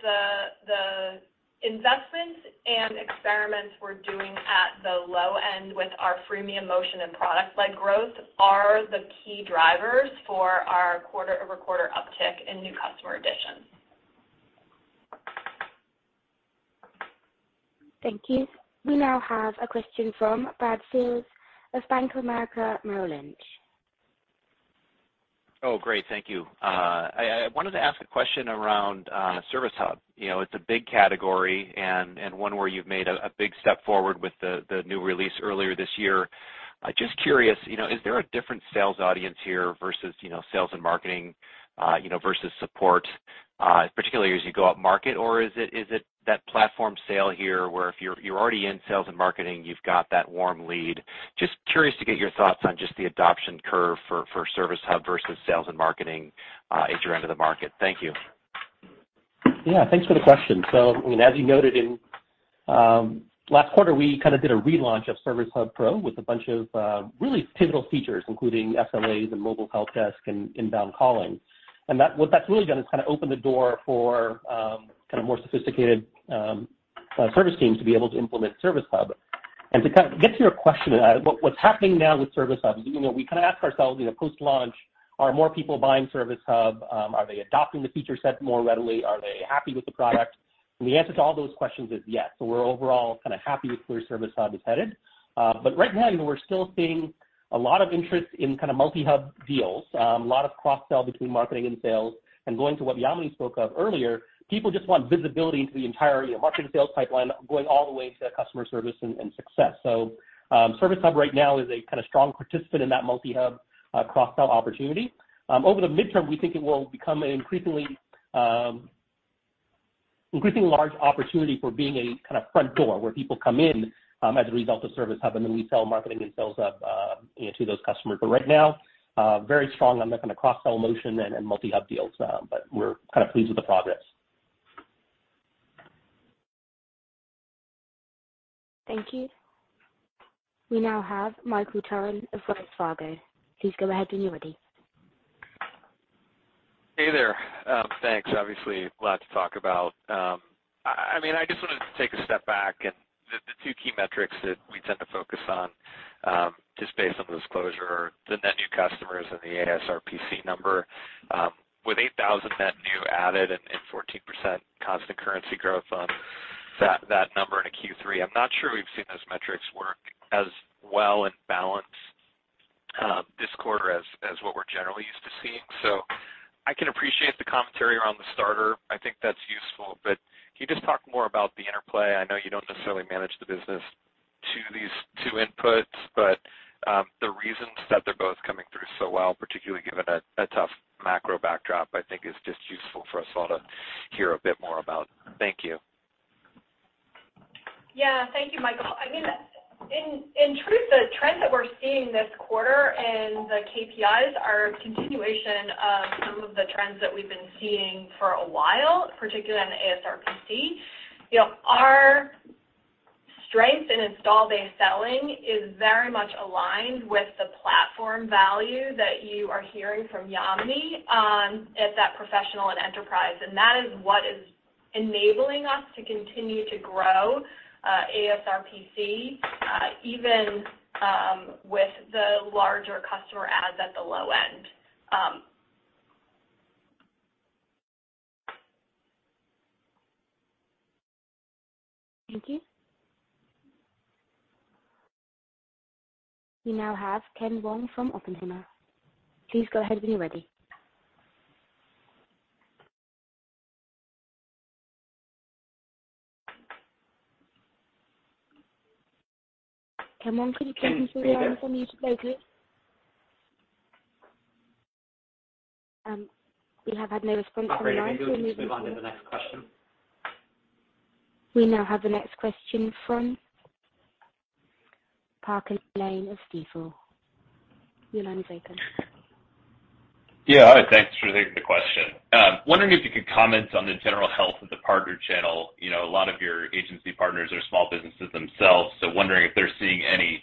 The investments and experiments we're doing at the low end with our freemium motion and product-led growth are the key drivers for our quarter-over-quarter uptick in new customer additions. Thank you. We now have a question from Brad Sills of Bank of America Merrill Lynch. Oh, great. Thank you. I wanted to ask a question around Service Hub. You know, it's a big category and one where you've made a big step forward with the new release earlier this year. Just curious, you know, is there a different sales audience here versus sales and marketing, you know, versus support, particularly as you go upmarket? Or is it that platform sale here where if you're already in sales and marketing, you've got that warm lead? Just curious to get your thoughts on just the adoption curve for Service Hub versus sales and marketing at your end of the market. Thank you. Yeah. Thanks for the question. I mean, as you noted in last quarter, we kind of did a relaunch of Service Hub Professional with a bunch of really pivotal features, including SLAs and mobile help desk and inbound calling. What that's really done is kind of open the door for kind of more sophisticated service teams to be able to implement Service Hub. To kind of get to your question, what's happening now with Service Hub, you know, we kind of ask ourselves, you know, post-launch, are more people buying Service Hub? Are they adopting the feature set more readily? Are they happy with the product? The answer to all those questions is yes. We're overall kind of happy with where Service Hub is headed. Right now, you know, we're still seeing a lot of interest in kind of multi-hub deals, a lot of cross-sell between marketing and sales. Going to what Yamini spoke of earlier, people just want visibility into the entire, you know, marketing sales pipeline going all the way to customer service and success. Service Hub right now is a kind of strong participant in that multi-hub, cross-sell opportunity. Over the midterm, we think it will become an increasingly large opportunity for being a kind of front door where people come in, as a result of Service Hub, and then we sell Marketing and Sales Hub, you know, to those customers. Right now, very strong on that kind of cross-sell motion and multi-hub deals. We're kind of pleased with the progress. Thank you. We now have Michael Turrin of Wells Fargo. Please go ahead when you're ready. Hey there. Thanks. Obviously glad to talk about. I mean, I just wanted to take a step back, and the two key metrics that we tend to focus on, just based on the disclosure are the net new customers and the ASRPC number. With 8,000 net new added and 14% constant currency growth on that number in a Q3, I'm not sure we've seen those metrics work as well in balance, this quarter as what we're generally used to seeing. I can appreciate the commentary around the starter. I think that's useful. Can you just talk more about the interplay? I know you don't necessarily manage the business to these two inputs, but, the reasons that they're both coming through so well, particularly given a tough macro backdrop, I think is just useful for us all to hear a bit more about. Thank you. Yeah. Thank you, Michael. I mean, in truth, the trends that we're seeing this quarter and the KPIs are a continuation of some of the trends that we've been seeing for a while, particularly on the ASRPC. You know, our strength in install-based selling is very much aligned with the platform value that you are hearing from Yamini at that professional and enterprise. That is what is enabling us to continue to grow ASRPC even with the larger customer adds at the low end. Thank you. We now have Ken Wong from Oppenheimer. Please go ahead when you're ready. Ken Wong, could you please ensure we can unmute you, please? We have had no response from Ken. Operator, maybe we can just move on to the next question. We now have the next question from Parker Lane of Stifel. Your line is open. Yeah. Hi. Thanks for taking the question. Wondering if you could comment on the general health of the partner channel. You know, a lot of your agency partners are small businesses themselves, so wondering if they're seeing any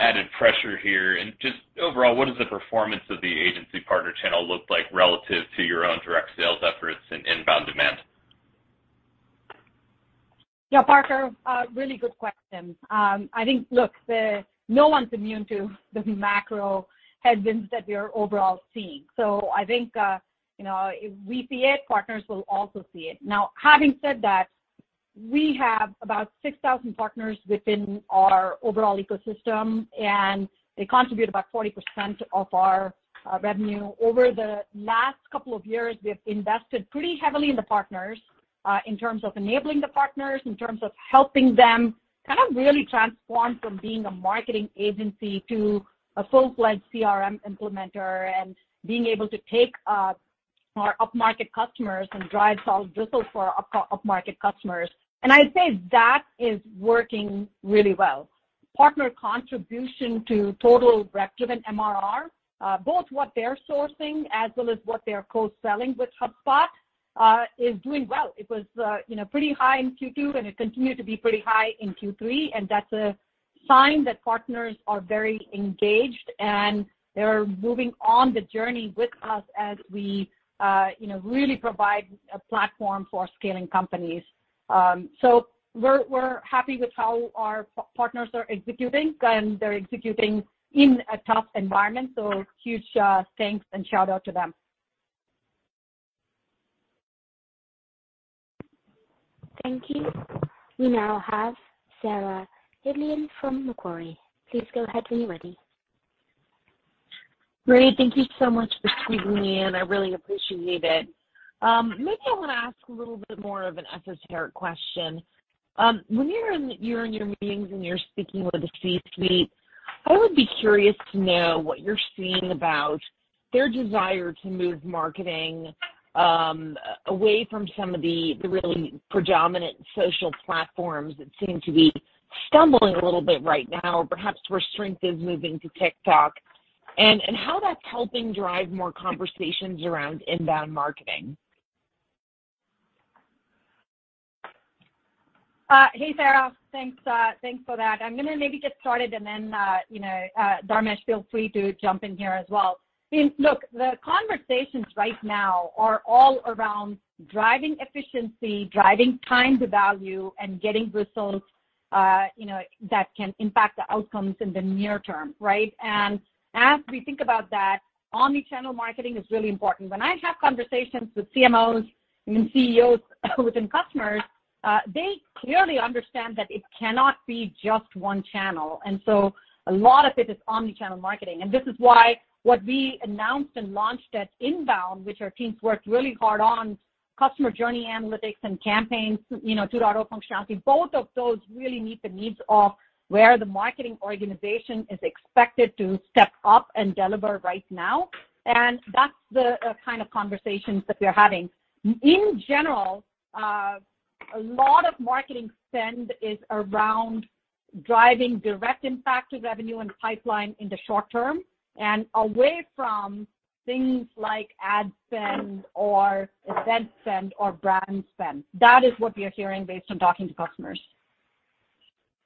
added pressure here. Just overall, what does the performance of the agency partner channel look like relative to your own direct sales efforts and inbound demand? Yeah, Parker, really good question. I think, look, no one's immune to the macro headwinds that we are overall seeing. I think, you know, if we see it, partners will also see it. Now, having said that. We have about 6,000 partners within our overall ecosystem, and they contribute about 40% of our revenue. Over the last couple of years, we have invested pretty heavily in the partners in terms of enabling the partners, in terms of helping them kind of really transform from being a marketing agency to a full-fledged CRM implementer and being able to take our up-market customers and drive solid results for our up-market customers. I'd say that is working really well. Partner contribution to total revenue and MRR both what they're sourcing as well as what they are co-selling with HubSpot is doing well. It was, you know, pretty high in Q2, and it continued to be pretty high in Q3, and that's a sign that partners are very engaged, and they're moving on the journey with us as we, you know, really provide a platform for scaling companies. We're happy with how our partners are executing, and they're executing in a tough environment, so huge thanks and shout-out to them. Thank you. We now have Sarah Hindlian from Macquarie. Please go ahead when you're ready. Great. Thank you so much for squeezing me in. I really appreciate it. Maybe I want to ask a little bit more of an esoteric question. When you're in your meetings, and you're speaking with a C-suite, I would be curious to know what you're seeing about their desire to move marketing away from some of the really predominant social platforms that seem to be stumbling a little bit right now, perhaps the strength is moving to TikTok, and how that's helping drive more conversations around inbound marketing. Hey, Sarah. Thanks for that. I'm gonna maybe get started and then, you know, Dharmesh, feel free to jump in here as well. I mean, look, the conversations right now are all around driving efficiency, driving time to value and getting results, you know, that can impact the outcomes in the near term, right? As we think about that, omni-channel marketing is really important. When I have conversations with CMOs and CEOs within customers, they clearly understand that it cannot be just one channel. A lot of it is omni-channel marketing. This is why what we announced and launched at INBOUND, which our teams worked really hard on, Customer Journey Analytics and Campaigns, you know, two tools functionality, both of those really meet the needs of where the marketing organization is expected to step up and deliver right now. That's the kind of conversations that we're having. In general, a lot of marketing spend is around driving direct impact to revenue and pipeline in the short term and away from things like ad spend or event spend or brand spend. That is what we are hearing based on talking to customers.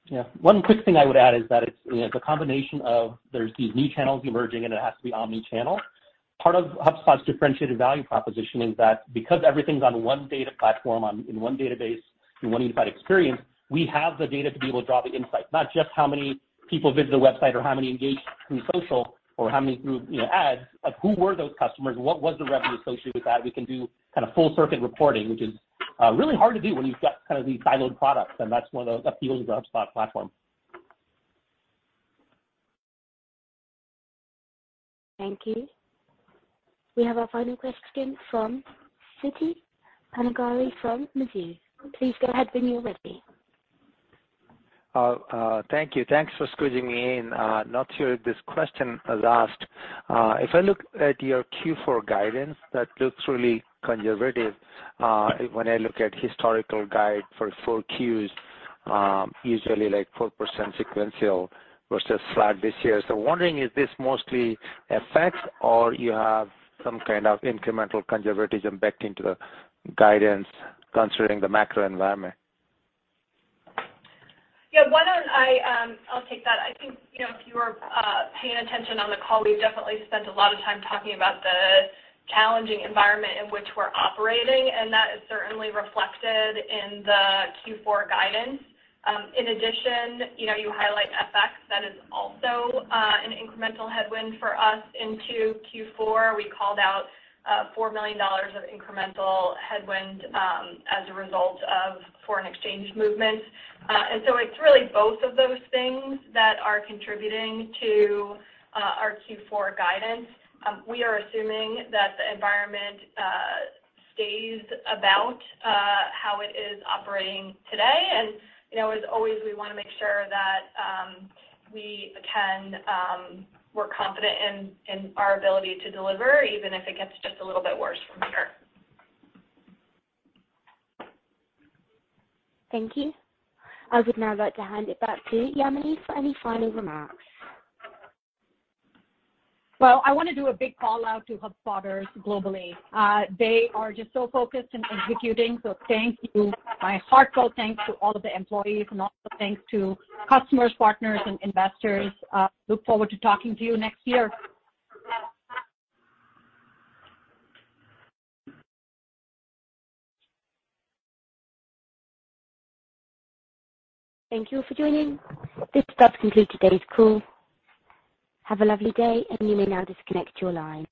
Yeah. One quick thing I would add is that it's, you know, it's a combination of there's these new channels emerging, and it has to be omni-channel. Part of HubSpot's differentiated value proposition is that because everything's on one data platform on, in one database, in one unified experience, we have the data to be able to draw the insights. Not just how many people visit the website or how many engaged through social or how many through, you know, ads, like who were those customers? What was the revenue associated with that? We can do kind of full circuit reporting, which is really hard to do when you've got kind of these siloed products, and that's one of the appeals of HubSpot platform. Thank you. We have our final question from Siti Panigrahi from Mizuho. Please go ahead when you're ready. Thank you. Thanks for squeezing me in. Not sure if this question was asked. If I look at your Q4 guidance, that looks really conservative, when I look at historical guide for 4Qs, usually like 4% sequential versus flat this year. Wondering, is this mostly FX effects or you have some kind of incremental conservatism backed into the guidance considering the macro environment? Yeah. Why don't I'll take that. I think, you know, if you were, paying attention on the call, we definitely spent a lot of time talking about the challenging environment in which we're operating, and that is certainly reflected in the Q4 guidance. In addition, you know, you highlight FX. That is also, an incremental headwind for us into Q4. We called out, $4 million of incremental headwind, as a result of foreign exchange movements. And so it's really both of those things that are contributing to, our Q4 guidance. We are assuming that the environment, stays about, how it is operating today. You know, as always, we wanna make sure that, we can. We're confident in our ability to deliver even if it gets just a little bit worse from here. Thank you. I would now like to hand it back to Yamini for any final remarks. Well, I wanna do a big call-out to HubSpotters globally. They are just so focused in executing, so thank you. My heartfelt thanks to all of the employees, and also thanks to customers, partners, and investors. Look forward to talking to you next year. Thank you all for joining. This does conclude today's call. Have a lovely day, and you may now disconnect your line.